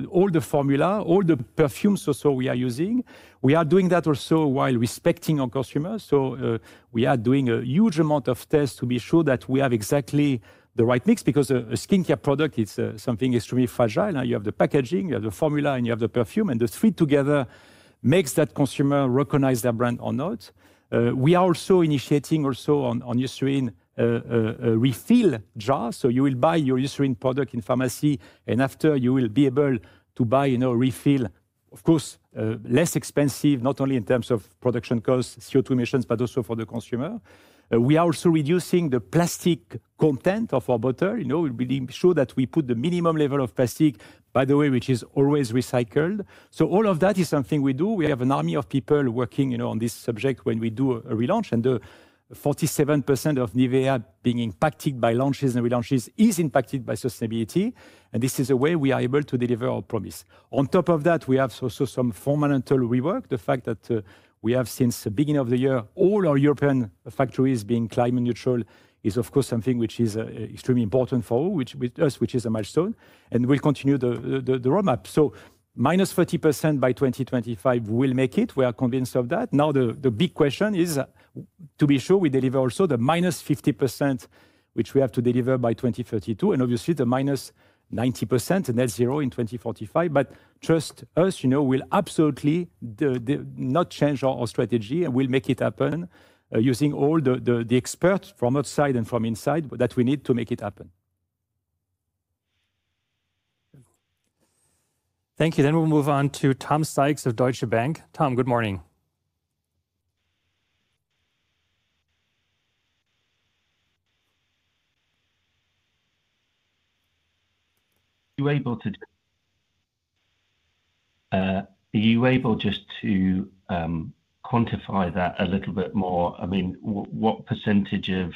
all the formula, all the perfumes also we are using. We are doing that also while respecting our consumers. We are doing a huge amount of tests to be sure that we have exactly the right mix because a skincare product is something extremely fragile. You have the packaging, you have the formula, and you have the perfume. And the three together makes that consumer recognize their brand or not. We are also initiating on Eucerin refill jars. You will buy your Eucerin product in pharmacy, and after, you will be able to buy refill, of course, less expensive, not only in terms of production costs, CO2 emissions, but also for the consumer. We are also reducing the plastic content of our bottle. We'll be sure that we put the minimum level of plastic, by the way, which is always recycled. So all of that is something we do. We have an army of people working on this subject when we do a relaunch. And 47% of Nivea being impacted by launches and relaunches is impacted by sustainability. And this is a way we are able to deliver our promise. On top of that, we have also some fundamental rework. The fact that we have since the beginning of the year, all our European factories being climate neutral is, of course, something which is extremely important for us, which is a milestone. And we'll continue the roadmap. So -30% by 2025, we'll make it. We are convinced of that. Now, the big question is, to be sure, we deliver also the -50%, which we have to deliver by 2032, and obviously the -90%, net zero in 2045. But trust us, we'll absolutely not change our strategy. We'll make it happen using all the experts from outside and from inside that we need to make it happen. Thank you. Then we'll move on to Tom Sykes of Deutsche Bank. Tom, good morning. Are you able to just quantify that a little bit more? I mean, what percentage of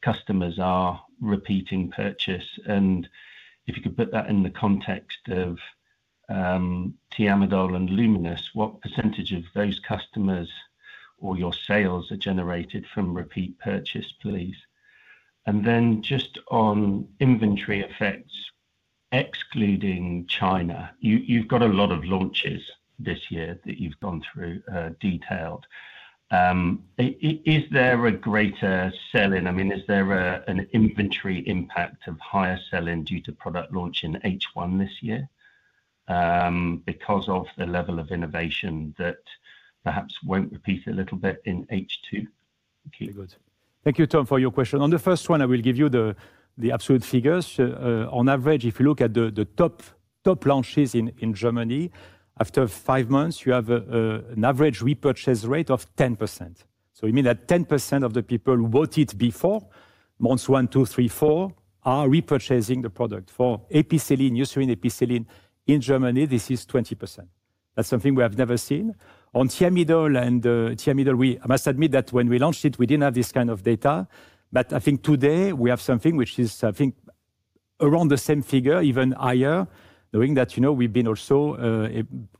customers are repeating purchase? And if you could put that in the context of Thiamidol and LUMINOUS, what percentage of those customers or your sales are generated from repeat purchase, please? And then just on inventory effects, excluding China, you've got a lot of launches this year that you've gone through in detail. Is there a greater sell-in? I mean, is there an inventory impact of higher sell-in due to product launch in H1 this year because of the level of innovation that perhaps won't repeat a little bit in H2? Thank you. Thank you, Tom, for your question. On the first one, I will give you the absolute figures. On average, if you look at the top launches in Germany, after five months, you have an average repurchase rate of 10%. So we mean that 10% of the people who bought it before, months one, two, three, four, are repurchasing the product. For Eucerin Epicelline in Germany, this is 20%. That's something we have never seen. On Thiamidol, and Thiamidol, I must admit that when we launched it, we didn't have this kind of data. I think today we have something which is, I think, around the same figure, even higher, knowing that we've been also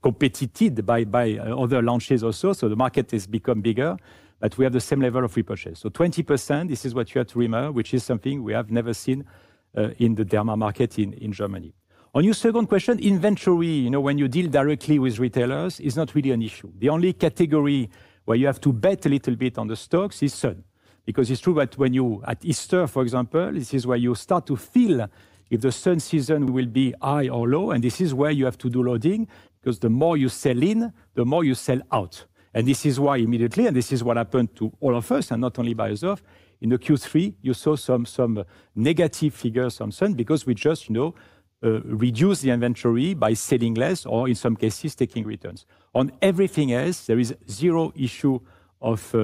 competed with by other launches also. So the market has become bigger, but we have the same level of repurchase. So 20%, this is what you have to remember, which is something we have never seen in the derma market in Germany. On your second question, inventory, when you deal directly with retailers, it's not really an issue. The only category where you have to bet a little bit on the stocks is Sun. Because it's true that when you get to Easter, for example, this is where you start to feel if the Sun season will be high or low. And this is where you have to do loading because the more you sell in, the more you sell out. And this is why immediately, and this is what happened to all of us, and not only by yourself, in the Q3, you saw some negative figures on Sun because we just reduced the inventory by selling less or, in some cases, taking returns. On everything else, there is zero issue of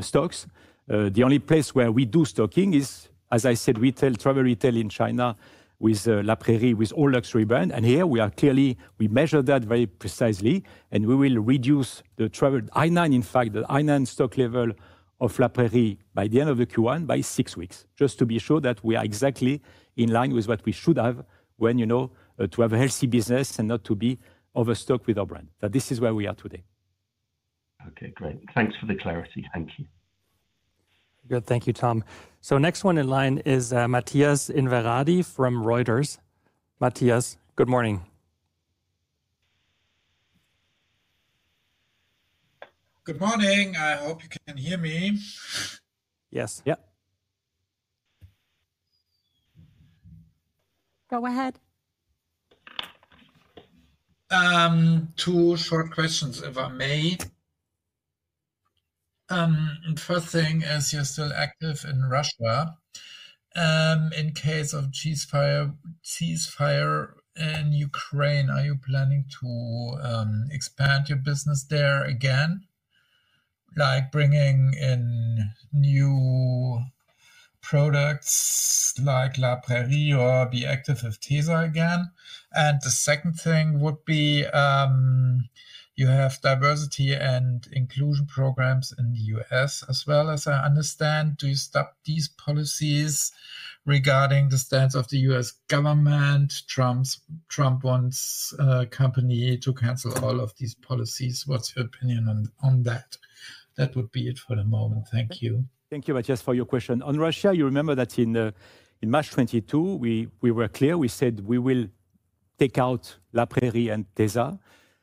stocks. The only place where we do stocking is, as I said, travel retail in China with La Prairie, with all luxury brands. And here, we are clearly, we measure that very precisely. And we will reduce the inv, in fact, the inv stock level of La Prairie by the end of the Q1 by six weeks, just to be sure that we are exactly in line with what we should have to have a healthy business and not to be overstocked with our brand. But this is where we are today. Okay, great. Thanks for the clarity. Thank you. Good. Thank you, Tom. So next one in line is Matthias Inverardi from Reuters. Matthias, good morning. Good morning. I hope you can hear me. Yes. Yeah. Go ahead. Two short questions, if I may. First thing is, you're still active in Russia. In case of ceasefire in Ukraine, are you planning to expand your business there again, like bringing in new products like La Prairie or be active with Tesa again? And the second thing would be you have diversity and inclusion programs in the U.S. as well, as I understand. Do you stop these policies regarding the stance of the U.S. government? Trump wants a company to cancel all of these policies. What's your opinion on that? That would be it for the moment. Thank you. Thank you, Matthias, for your question. On Russia, you remember that in March 2022, we were clear. We said we will take out La Prairie and Tesa.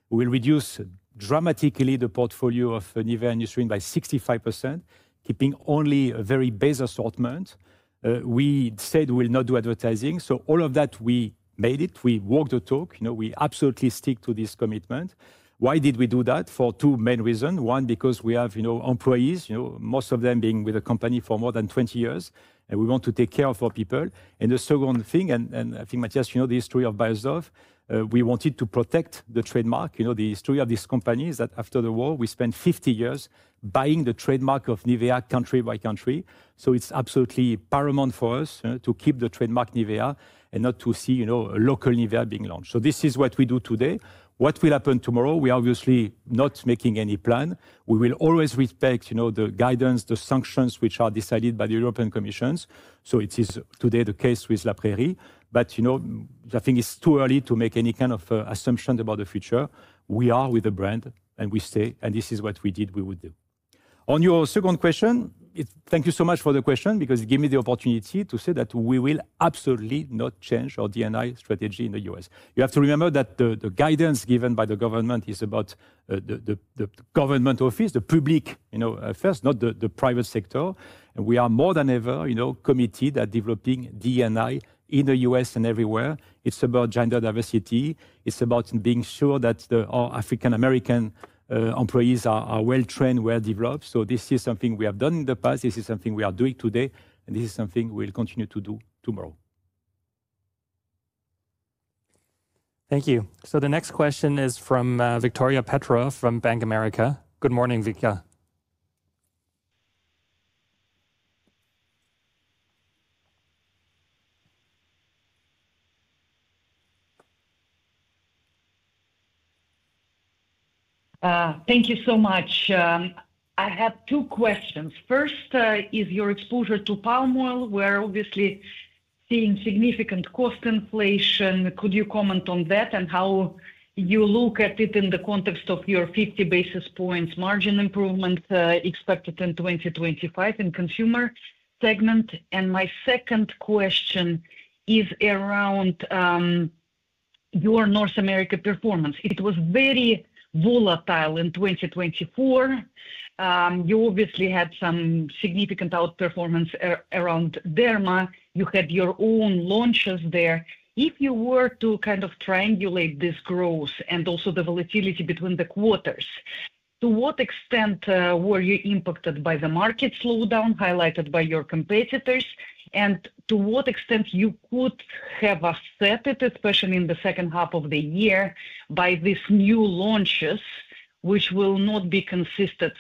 We will reduce dramatically the portfolio of Nivea and Eucerin by 65%, keeping only a very base assortment. We said we'll not do advertising, so all of that, we made it. We walked the talk. We absolutely stick to this commitment. Why did we do that? For two main reasons. One, because we have employees, most of them being with the company for more than 20 years, and we want to take care of our people, and the second thing, and I think, Matthias, you know the history of Beiersdorf. We wanted to protect the trademark, the history of these companies that after the war, we spent 50 years buying the trademark of Nivea country by country. So it's absolutely paramount for us to keep the trademark Nivea and not to see a local Nivea being launched. So this is what we do today. What will happen tomorrow? We are obviously not making any plan. We will always respect the guidance, the sanctions which are decided by the European Commission. So it is today the case with La Prairie. But I think it's too early to make any kind of assumptions about the future. We are with the brand, and we stay. And this is what we did, we would do. On your second question, thank you so much for the question because it gave me the opportunity to say that we will absolutely not change our D&I strategy in the U.S. You have to remember that the guidance given by the government is about the government office, the public affairs, not the private sector. And we are more than ever committed at developing D&I in the U.S. and everywhere. It's about gender diversity. It's about being sure that our African-American employees are well-trained, well-developed. So this is something we have done in the past. This is something we are doing today. And this is something we'll continue to do tomorrow. Thank you. So the next question is from Victoria Petrova from Bank of America. Good morning, Victoria. Thank you so much. I have two questions. First, is your exposure to palm oil? We're obviously seeing significant cost inflation. Could you comment on that and how you look at it in the context of your 50 basis points margin improvement expected in 2025 in Consumer segment? And my second question is around your North America performance. It was very volatile in 2024. You obviously had some significant outperformance around derma. You had your own launches there. If you were to kind of triangulate this growth and also the volatility between the quarters, to what extent were you impacted by the market slowdown highlighted by your competitors? And to what extent you could have offset it, especially in the second half of the year by these new launches, which will not be consistent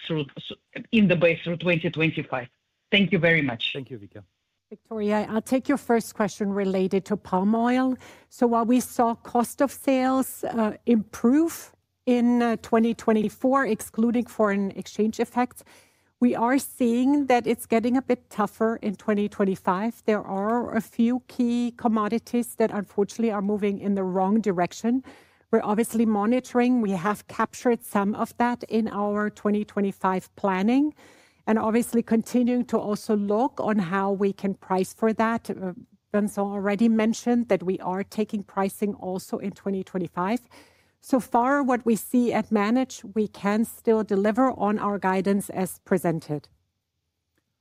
in the base through 2025? Thank you very much. Thank you, Victoria. Victoria, I'll take your first question related to palm oil. So while we saw cost of sales improve in 2024, excluding foreign exchange effects, we are seeing that it's getting a bit tougher in 2025. There are a few key commodities that unfortunately are moving in the wrong direction. We're obviously monitoring. We have captured some of that in our 2025 planning and obviously continuing to also look on how we can price for that. Vincent already mentioned that we are taking pricing also in 2025. So far, what we see at the moment, we can still deliver on our guidance as presented.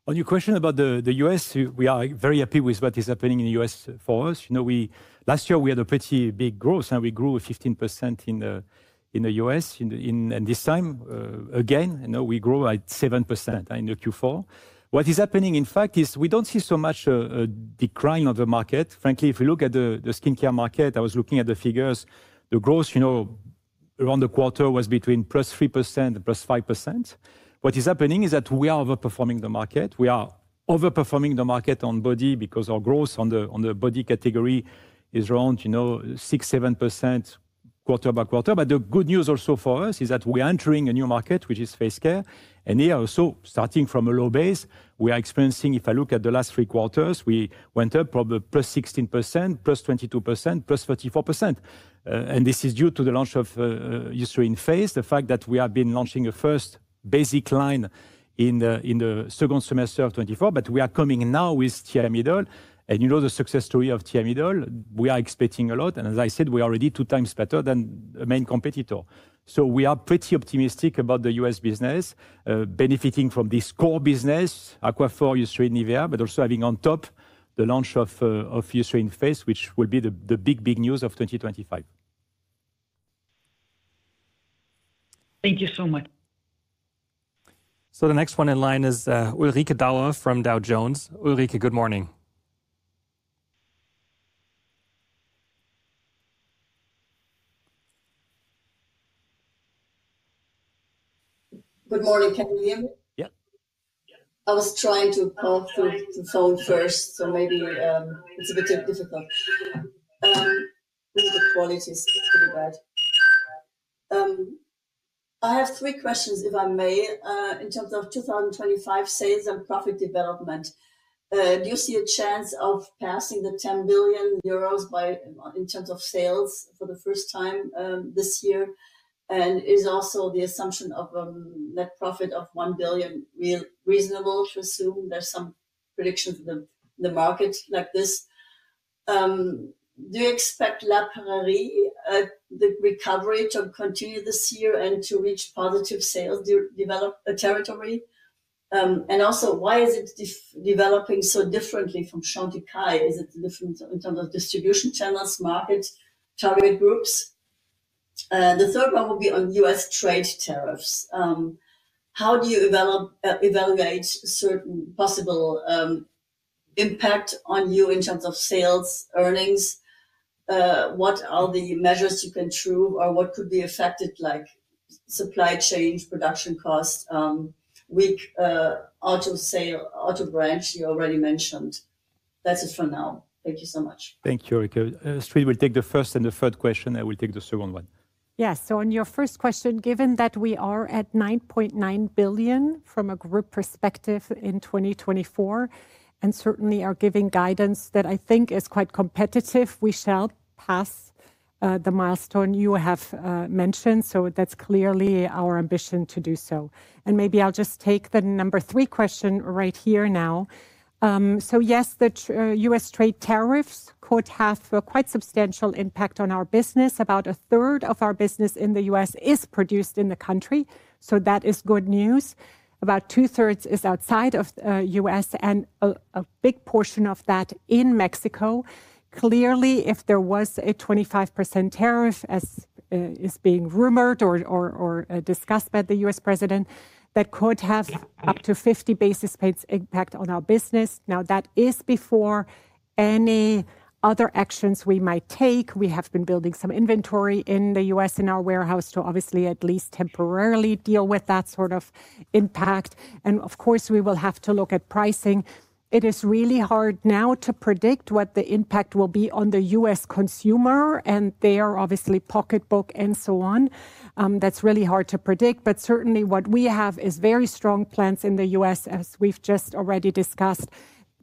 On your question about the U.S., we are very happy with what is happening in the U.S. for us. Last year, we had a pretty big growth, and we grew 15% in the U.S. This time, again, we grew at 7% in the Q4. What is happening, in fact, is we don't see so much decline of the market. Frankly, if we look at the skincare market, I was looking at the figures, the growth around the quarter was between +3% and +5%. What is happening is that we are overperforming the market. We are overperforming the market on body because our growth on the body category is around 6%-7% quarter by quarter. But the good news also for us is that we are entering a new market, which is face care. And here, also starting from a low base, we are experiencing, if I look at the last three quarters, we went up from +16%, +22%, 34%. And this is due to the launch of Eucerin Face, the fact that we have been launching a first basic line in the second semester of 2024. But we are coming now with Thiamidol. And you know the success story of Thiamidol. We are expecting a lot. And as I said, we are already two times better than the main competitor. So we are pretty optimistic about the U.S. business benefiting from this core business, Aquaphor, Eucerin, Nivea, but also having on top the launch of Eucerin Face, which will be the big, big news of 2025. Thank you so much. So the next one in line is Ulrike Dauer from Dow Jones. Ulrike, good morning. Good morning. Can you hear me? Yeah. I was trying to call through the phone first, so maybe it's a bit difficult. The quality is pretty bad. I have three questions, if I may, in terms of 2025 sales and profit development. Do you see a chance of passing the 10 billion euros in terms of sales for the first time this year? And is also the assumption of a net profit of EUR 1 billion reasonable to assume there's some prediction for the market like this? Do you expect La Prairie recovery to continue this year and to reach positive sales development territory? And also, why is it developing so differently from Chantecaille? Is it different in terms of distribution channels, markets, target groups? The third one will be on U.S. trade tariffs. How do you evaluate certain possible impact on you in terms of sales earnings? What are the measures you can take or what could be affected, like supply chain, production cost, weak auto sale, auto branch you already mentioned? That's it for now. Thank you so much. Thank you, Ulrike. Astrid will take the first and the third question. I will take the second one. Yes. So on your first question, given that we are at 9.9 billion from a group perspective in 2024, and certainly are giving guidance that I think is quite competitive, we shall pass the milestone you have mentioned. So that's clearly our ambition to do so. And maybe I'll just take the number three question right here now. So yes, the U.S. trade tariffs could have quite substantial impact on our business. About a third of our business in the U.S. is produced in the country. So that is good news. About two-thirds is outside of the U.S. and a big portion of that in Mexico. Clearly, if there was a 25% tariff, as is being rumored or discussed by the U.S. president, that could have up to 50 basis points impact on our business. Now, that is before any other actions we might take. We have been building some inventory in the U.S. in our warehouse to obviously at least temporarily deal with that sort of impact. And of course, we will have to look at pricing. It is really hard now to predict what the impact will be on the U.S. consumer. And they are obviously pocketbook and so on. That's really hard to predict. But certainly, what we have is very strong plans in the U.S., as we've just already discussed,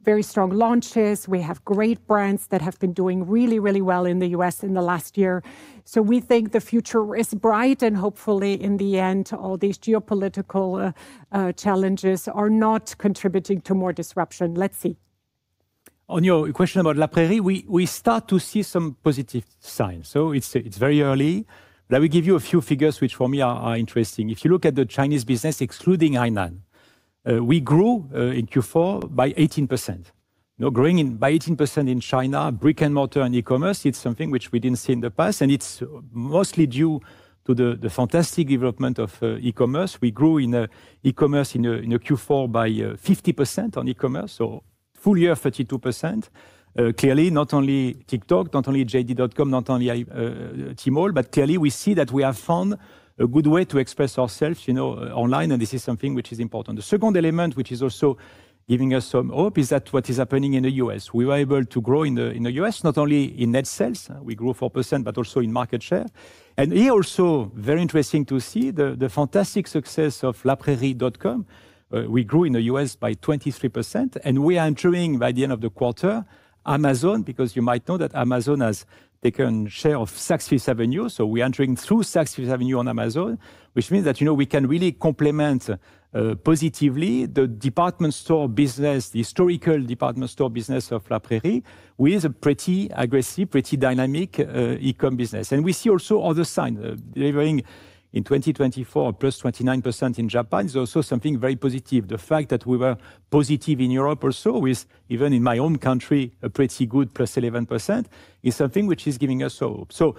very strong launches. We have great brands that have been doing really, really well in the U.S. in the last year. So we think the future is bright. And hopefully, in the end, all these geopolitical challenges are not contributing to more disruption. Let's see. On your question about La Prairie, we start to see some positive signs. So it's very early. But I will give you a few figures which for me are interesting. If you look at the Chinese business, excluding Hainan, we grew in Q4 by 18%. Growing by 18% in China, brick and mortar and e-commerce, it's something which we didn't see in the past. And it's mostly due to the fantastic development of e-commerce. We grew in e-commerce in Q4 by 50% on e-commerce. So full year, 32%. Clearly, not only TikTok, not only JD.com, not only Tmall, but clearly we see that we have found a good way to express ourselves online. This is something which is important. The second element, which is also giving us some hope, is what is happening in the U.S. We were able to grow in the U.S., not only in net sales. We grew 4%, but also in market share. Here also, very interesting to see the fantastic success of laprairie.com. We grew in the U.S. by 23%. We are entering by the end of the quarter, Amazon, because you might know that Amazon has taken share of Saks Fifth Avenue. So we are entering through Saks Fifth Avenue on Amazon, which means that we can really complement positively the department store business, the historical department store business of La Prairie, with a pretty aggressive, pretty dynamic e-com business. And we see also other signs. Delivering in 2024, +29% in Japan is also something very positive. The fact that we were positive in Europe also, with even in my own country, a pretty good +11%, is something which is giving us hope. So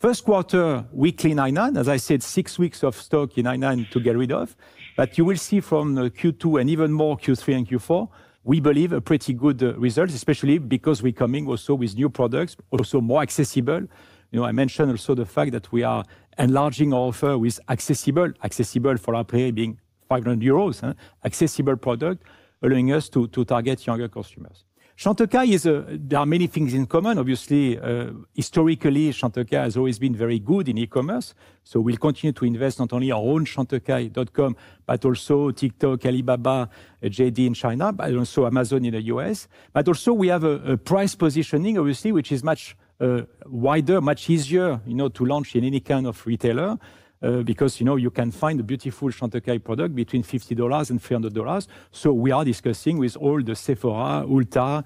first quarter, we clean Hainan. As I said, six weeks of stock in Hainan to get rid of. But you will see from Q2 and even more Q3 and Q4, we believe a pretty good result, especially because we're coming also with new products, also more accessible. I mentioned also the fact that we are enlarging our offer with accessible, accessible for La Prairie being 500 euros, accessible product, allowing us to target younger consumers. Chantecaille is, there are many things in common. Obviously, historically, Chantecaille has always been very good in e-commerce. So we'll continue to invest not only our own Chantecaille.com, but also TikTok, Alibaba, JD in China, but also Amazon in the U.S. But also we have a price positioning, obviously, which is much wider, much easier to launch in any kind of retailer because you can find a beautiful Chantecaille product between $50 and $300. So we are discussing with all the Sephora, Ulta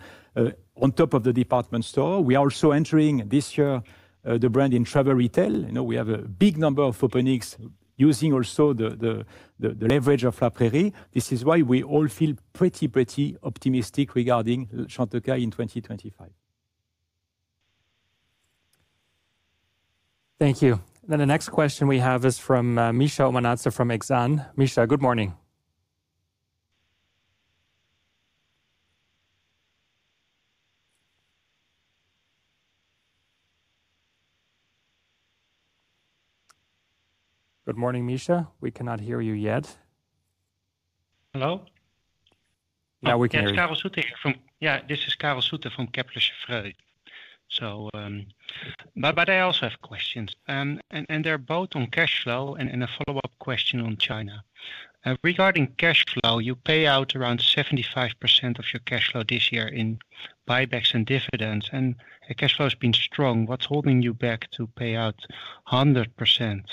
on top of the department store. We are also entering this year the brand in travel retail. We have a big number of openings using also the leverage of La Prairie. This is why we all feel pretty, pretty optimistic regarding Chantecaille in 2025. Thank you. Then the next question we have is from Misha Omanadze from Exane. Misha, good morning. Good morning, Misha. We cannot hear you yet. Hello? Now we can hear you. This is Karel Zoete from Kepler Cheuvreux. But I also have questions. And they're both on cash flow and a follow-up question on China. Regarding cash flow, you pay out around 75% of your cash flow this year in buybacks and dividends. And cash flow has been strong. What's holding you back to pay out 100%?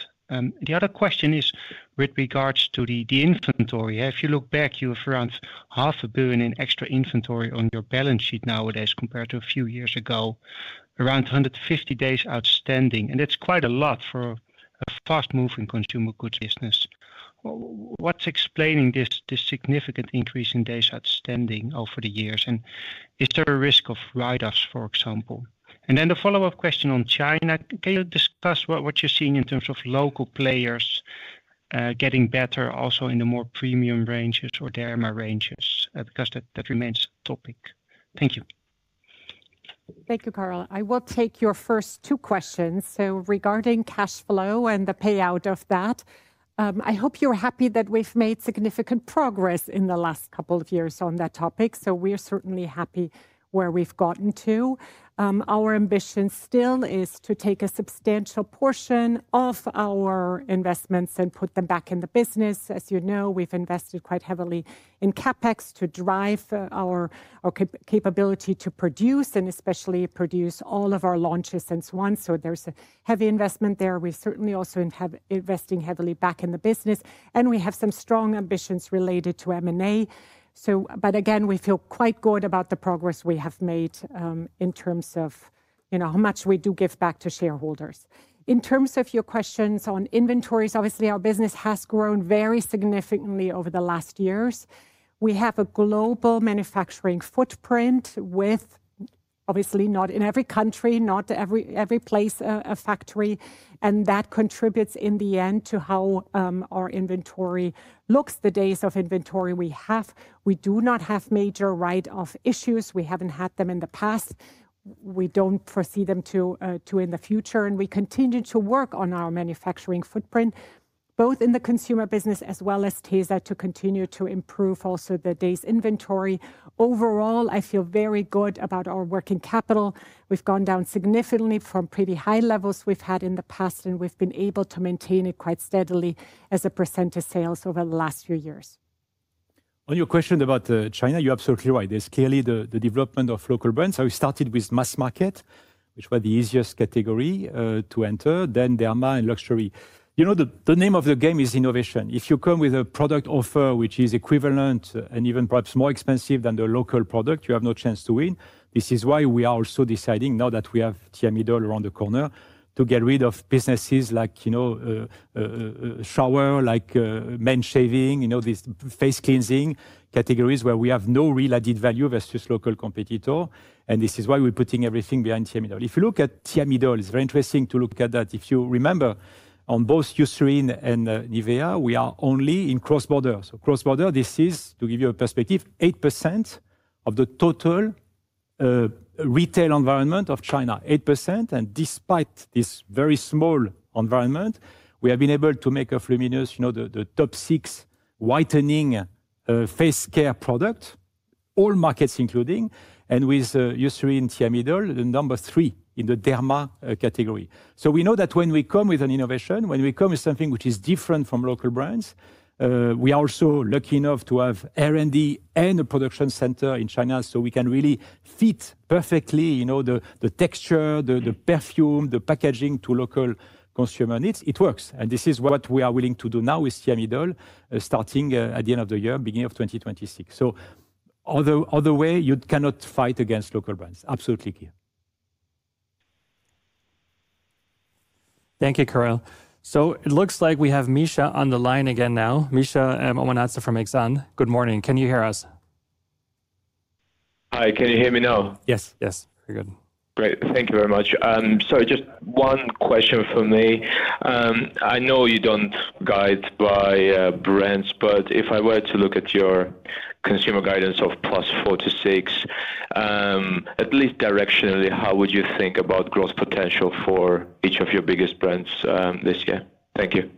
The other question is with regards to the inventory. If you look back, you have around 500 million in extra inventory on your balance sheet nowadays compared to a few years ago, around 150 days outstanding. And that's quite a lot for a fast-moving consumer goods business. What's explaining this significant increase in days outstanding over the years? And is there a risk of write-offs, for example? And then the follow-up question on China. Can you discuss what you're seeing in terms of local players getting better also in the more premium ranges or derma ranges? Because that remains a topic. Thank you. Thank you, Karel. I will take your first two questions. So regarding cash flow and the payout of that, I hope you're happy that we've made significant progress in the last couple of years on that topic. So we're certainly happy where we've gotten to. Our ambition still is to take a substantial portion of our investments and put them back in the business. As you know, we've invested quite heavily in CapEx to drive our capability to produce and especially produce all of our launches and so on. So there's a heavy investment there. We're certainly also investing heavily back in the business. And we have some strong ambitions related to M&A. But again, we feel quite good about the progress we have made in terms of how much we do give back to shareholders. In terms of your questions on inventories, obviously, our business has grown very significantly over the last years. We have a global manufacturing footprint with, obviously, not in every country, not every place a factory. And that contributes in the end to how our inventory looks, the days of inventory we have. We do not have major write-off issues. We haven't had them in the past. We don't foresee them to in the future. And we continue to work on our manufacturing footprint, both in the consumer business as well as Tesa to continue to improve also the day's inventory. Overall, I feel very good about our working capital. We've gone down significantly from pretty high levels we've had in the past. And we've been able to maintain it quite steadily as a percent of sales over the last few years. On your question about China, you're absolutely right. There's clearly the development of local brands. So we started with mass market, which were the easiest category to enter, then derma and luxury. You know the name of the game is innovation. If you come with a product offer which is equivalent and even perhaps more expensive than the local product, you have no chance to win. This is why we are also deciding now that we have Thiamidol around the corner to get rid of businesses like shower, like man shaving, these face cleansing categories where we have no real added value versus local competitor. And this is why we're putting everything behind Thiamidol. If you look at Thiamidol, it's very interesting to look at that. If you remember, on both Eucerin and Nivea, we are only in cross-border. So cross-border, this is, to give you a perspective, 8% of the total retail environment of China, 8%. And despite this very small environment, we have been able to make a LUMINOUS, the top six whitening face care product, all markets including, and with Eucerin Thiamidol, the number three in the derma category. So we know that when we come with an innovation, when we come with something which is different from local brands, we are also lucky enough to have R&D and a production center in China so we can really fit perfectly the texture, the perfume, the packaging to local consumers. It works. This is what we are willing to do now with Thiamidol, starting at the end of the year, beginning of 2026. Other way, you cannot fight against local brands. Absolutely clear. Thank you, Karel. It looks like we have Misha on the line again now. Misha Omanadze from Exane. Good morning. Can you hear us? Hi. Can you hear me now? Yes. Yes. Very good. Great. Thank you very much. Just one question for me. I know you don't guide by brands, but if I were to look at your consumer guidance of +4%-6%, at least directionally, how would you think about growth potential for each of your biggest brands this year? Thank you.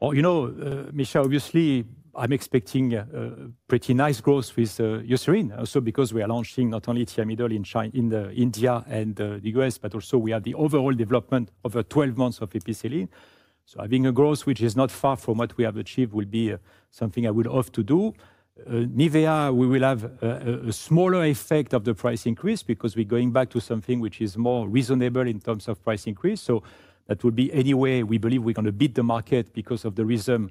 You know, Misha, obviously, I'm expecting pretty nice growth with Eucerin. Also because we are launching not only Thiamidol in India and the U.S., but also we have the overall development of 12 months of Epicelline, so having a growth which is not far from what we have achieved will be something I would love to do. Nivea, we will have a smaller effect of the price increase because we're going back to something which is more reasonable in terms of price increase, so that will anyway we believe we're going to beat the market because of the reason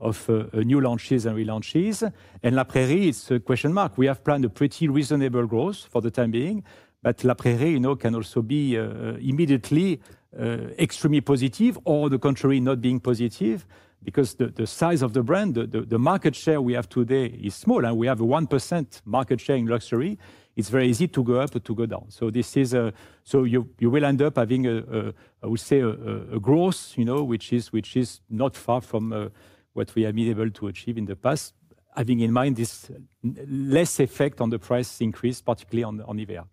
of new launches and relaunches, and La Prairie, it's a question mark. We have planned a pretty reasonable growth for the time being, but La Prairie can also be immediately extremely positive or the contrary, not being positive because the size of the brand, the market share we have today is small. And we have a 1% market share in luxury. It's very easy to go up or to go down. So this is, so you will end up having, I would say, a growth which is not far from what we have been able to achieve in the past, having in mind this less effect on the price increase, particularly on Nivea.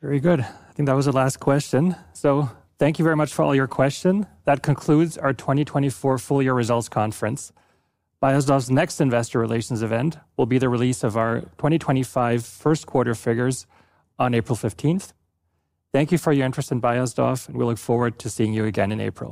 Very good. I think that was the last question. So thank you very much for all your questions. That concludes our 2024 full year results conference. Beiersdorf's next investor relations event will be the release of our 2025 first quarter figures on April 15th. Thank you for your interest in Beiersdorf, and we look forward to seeing you again in April.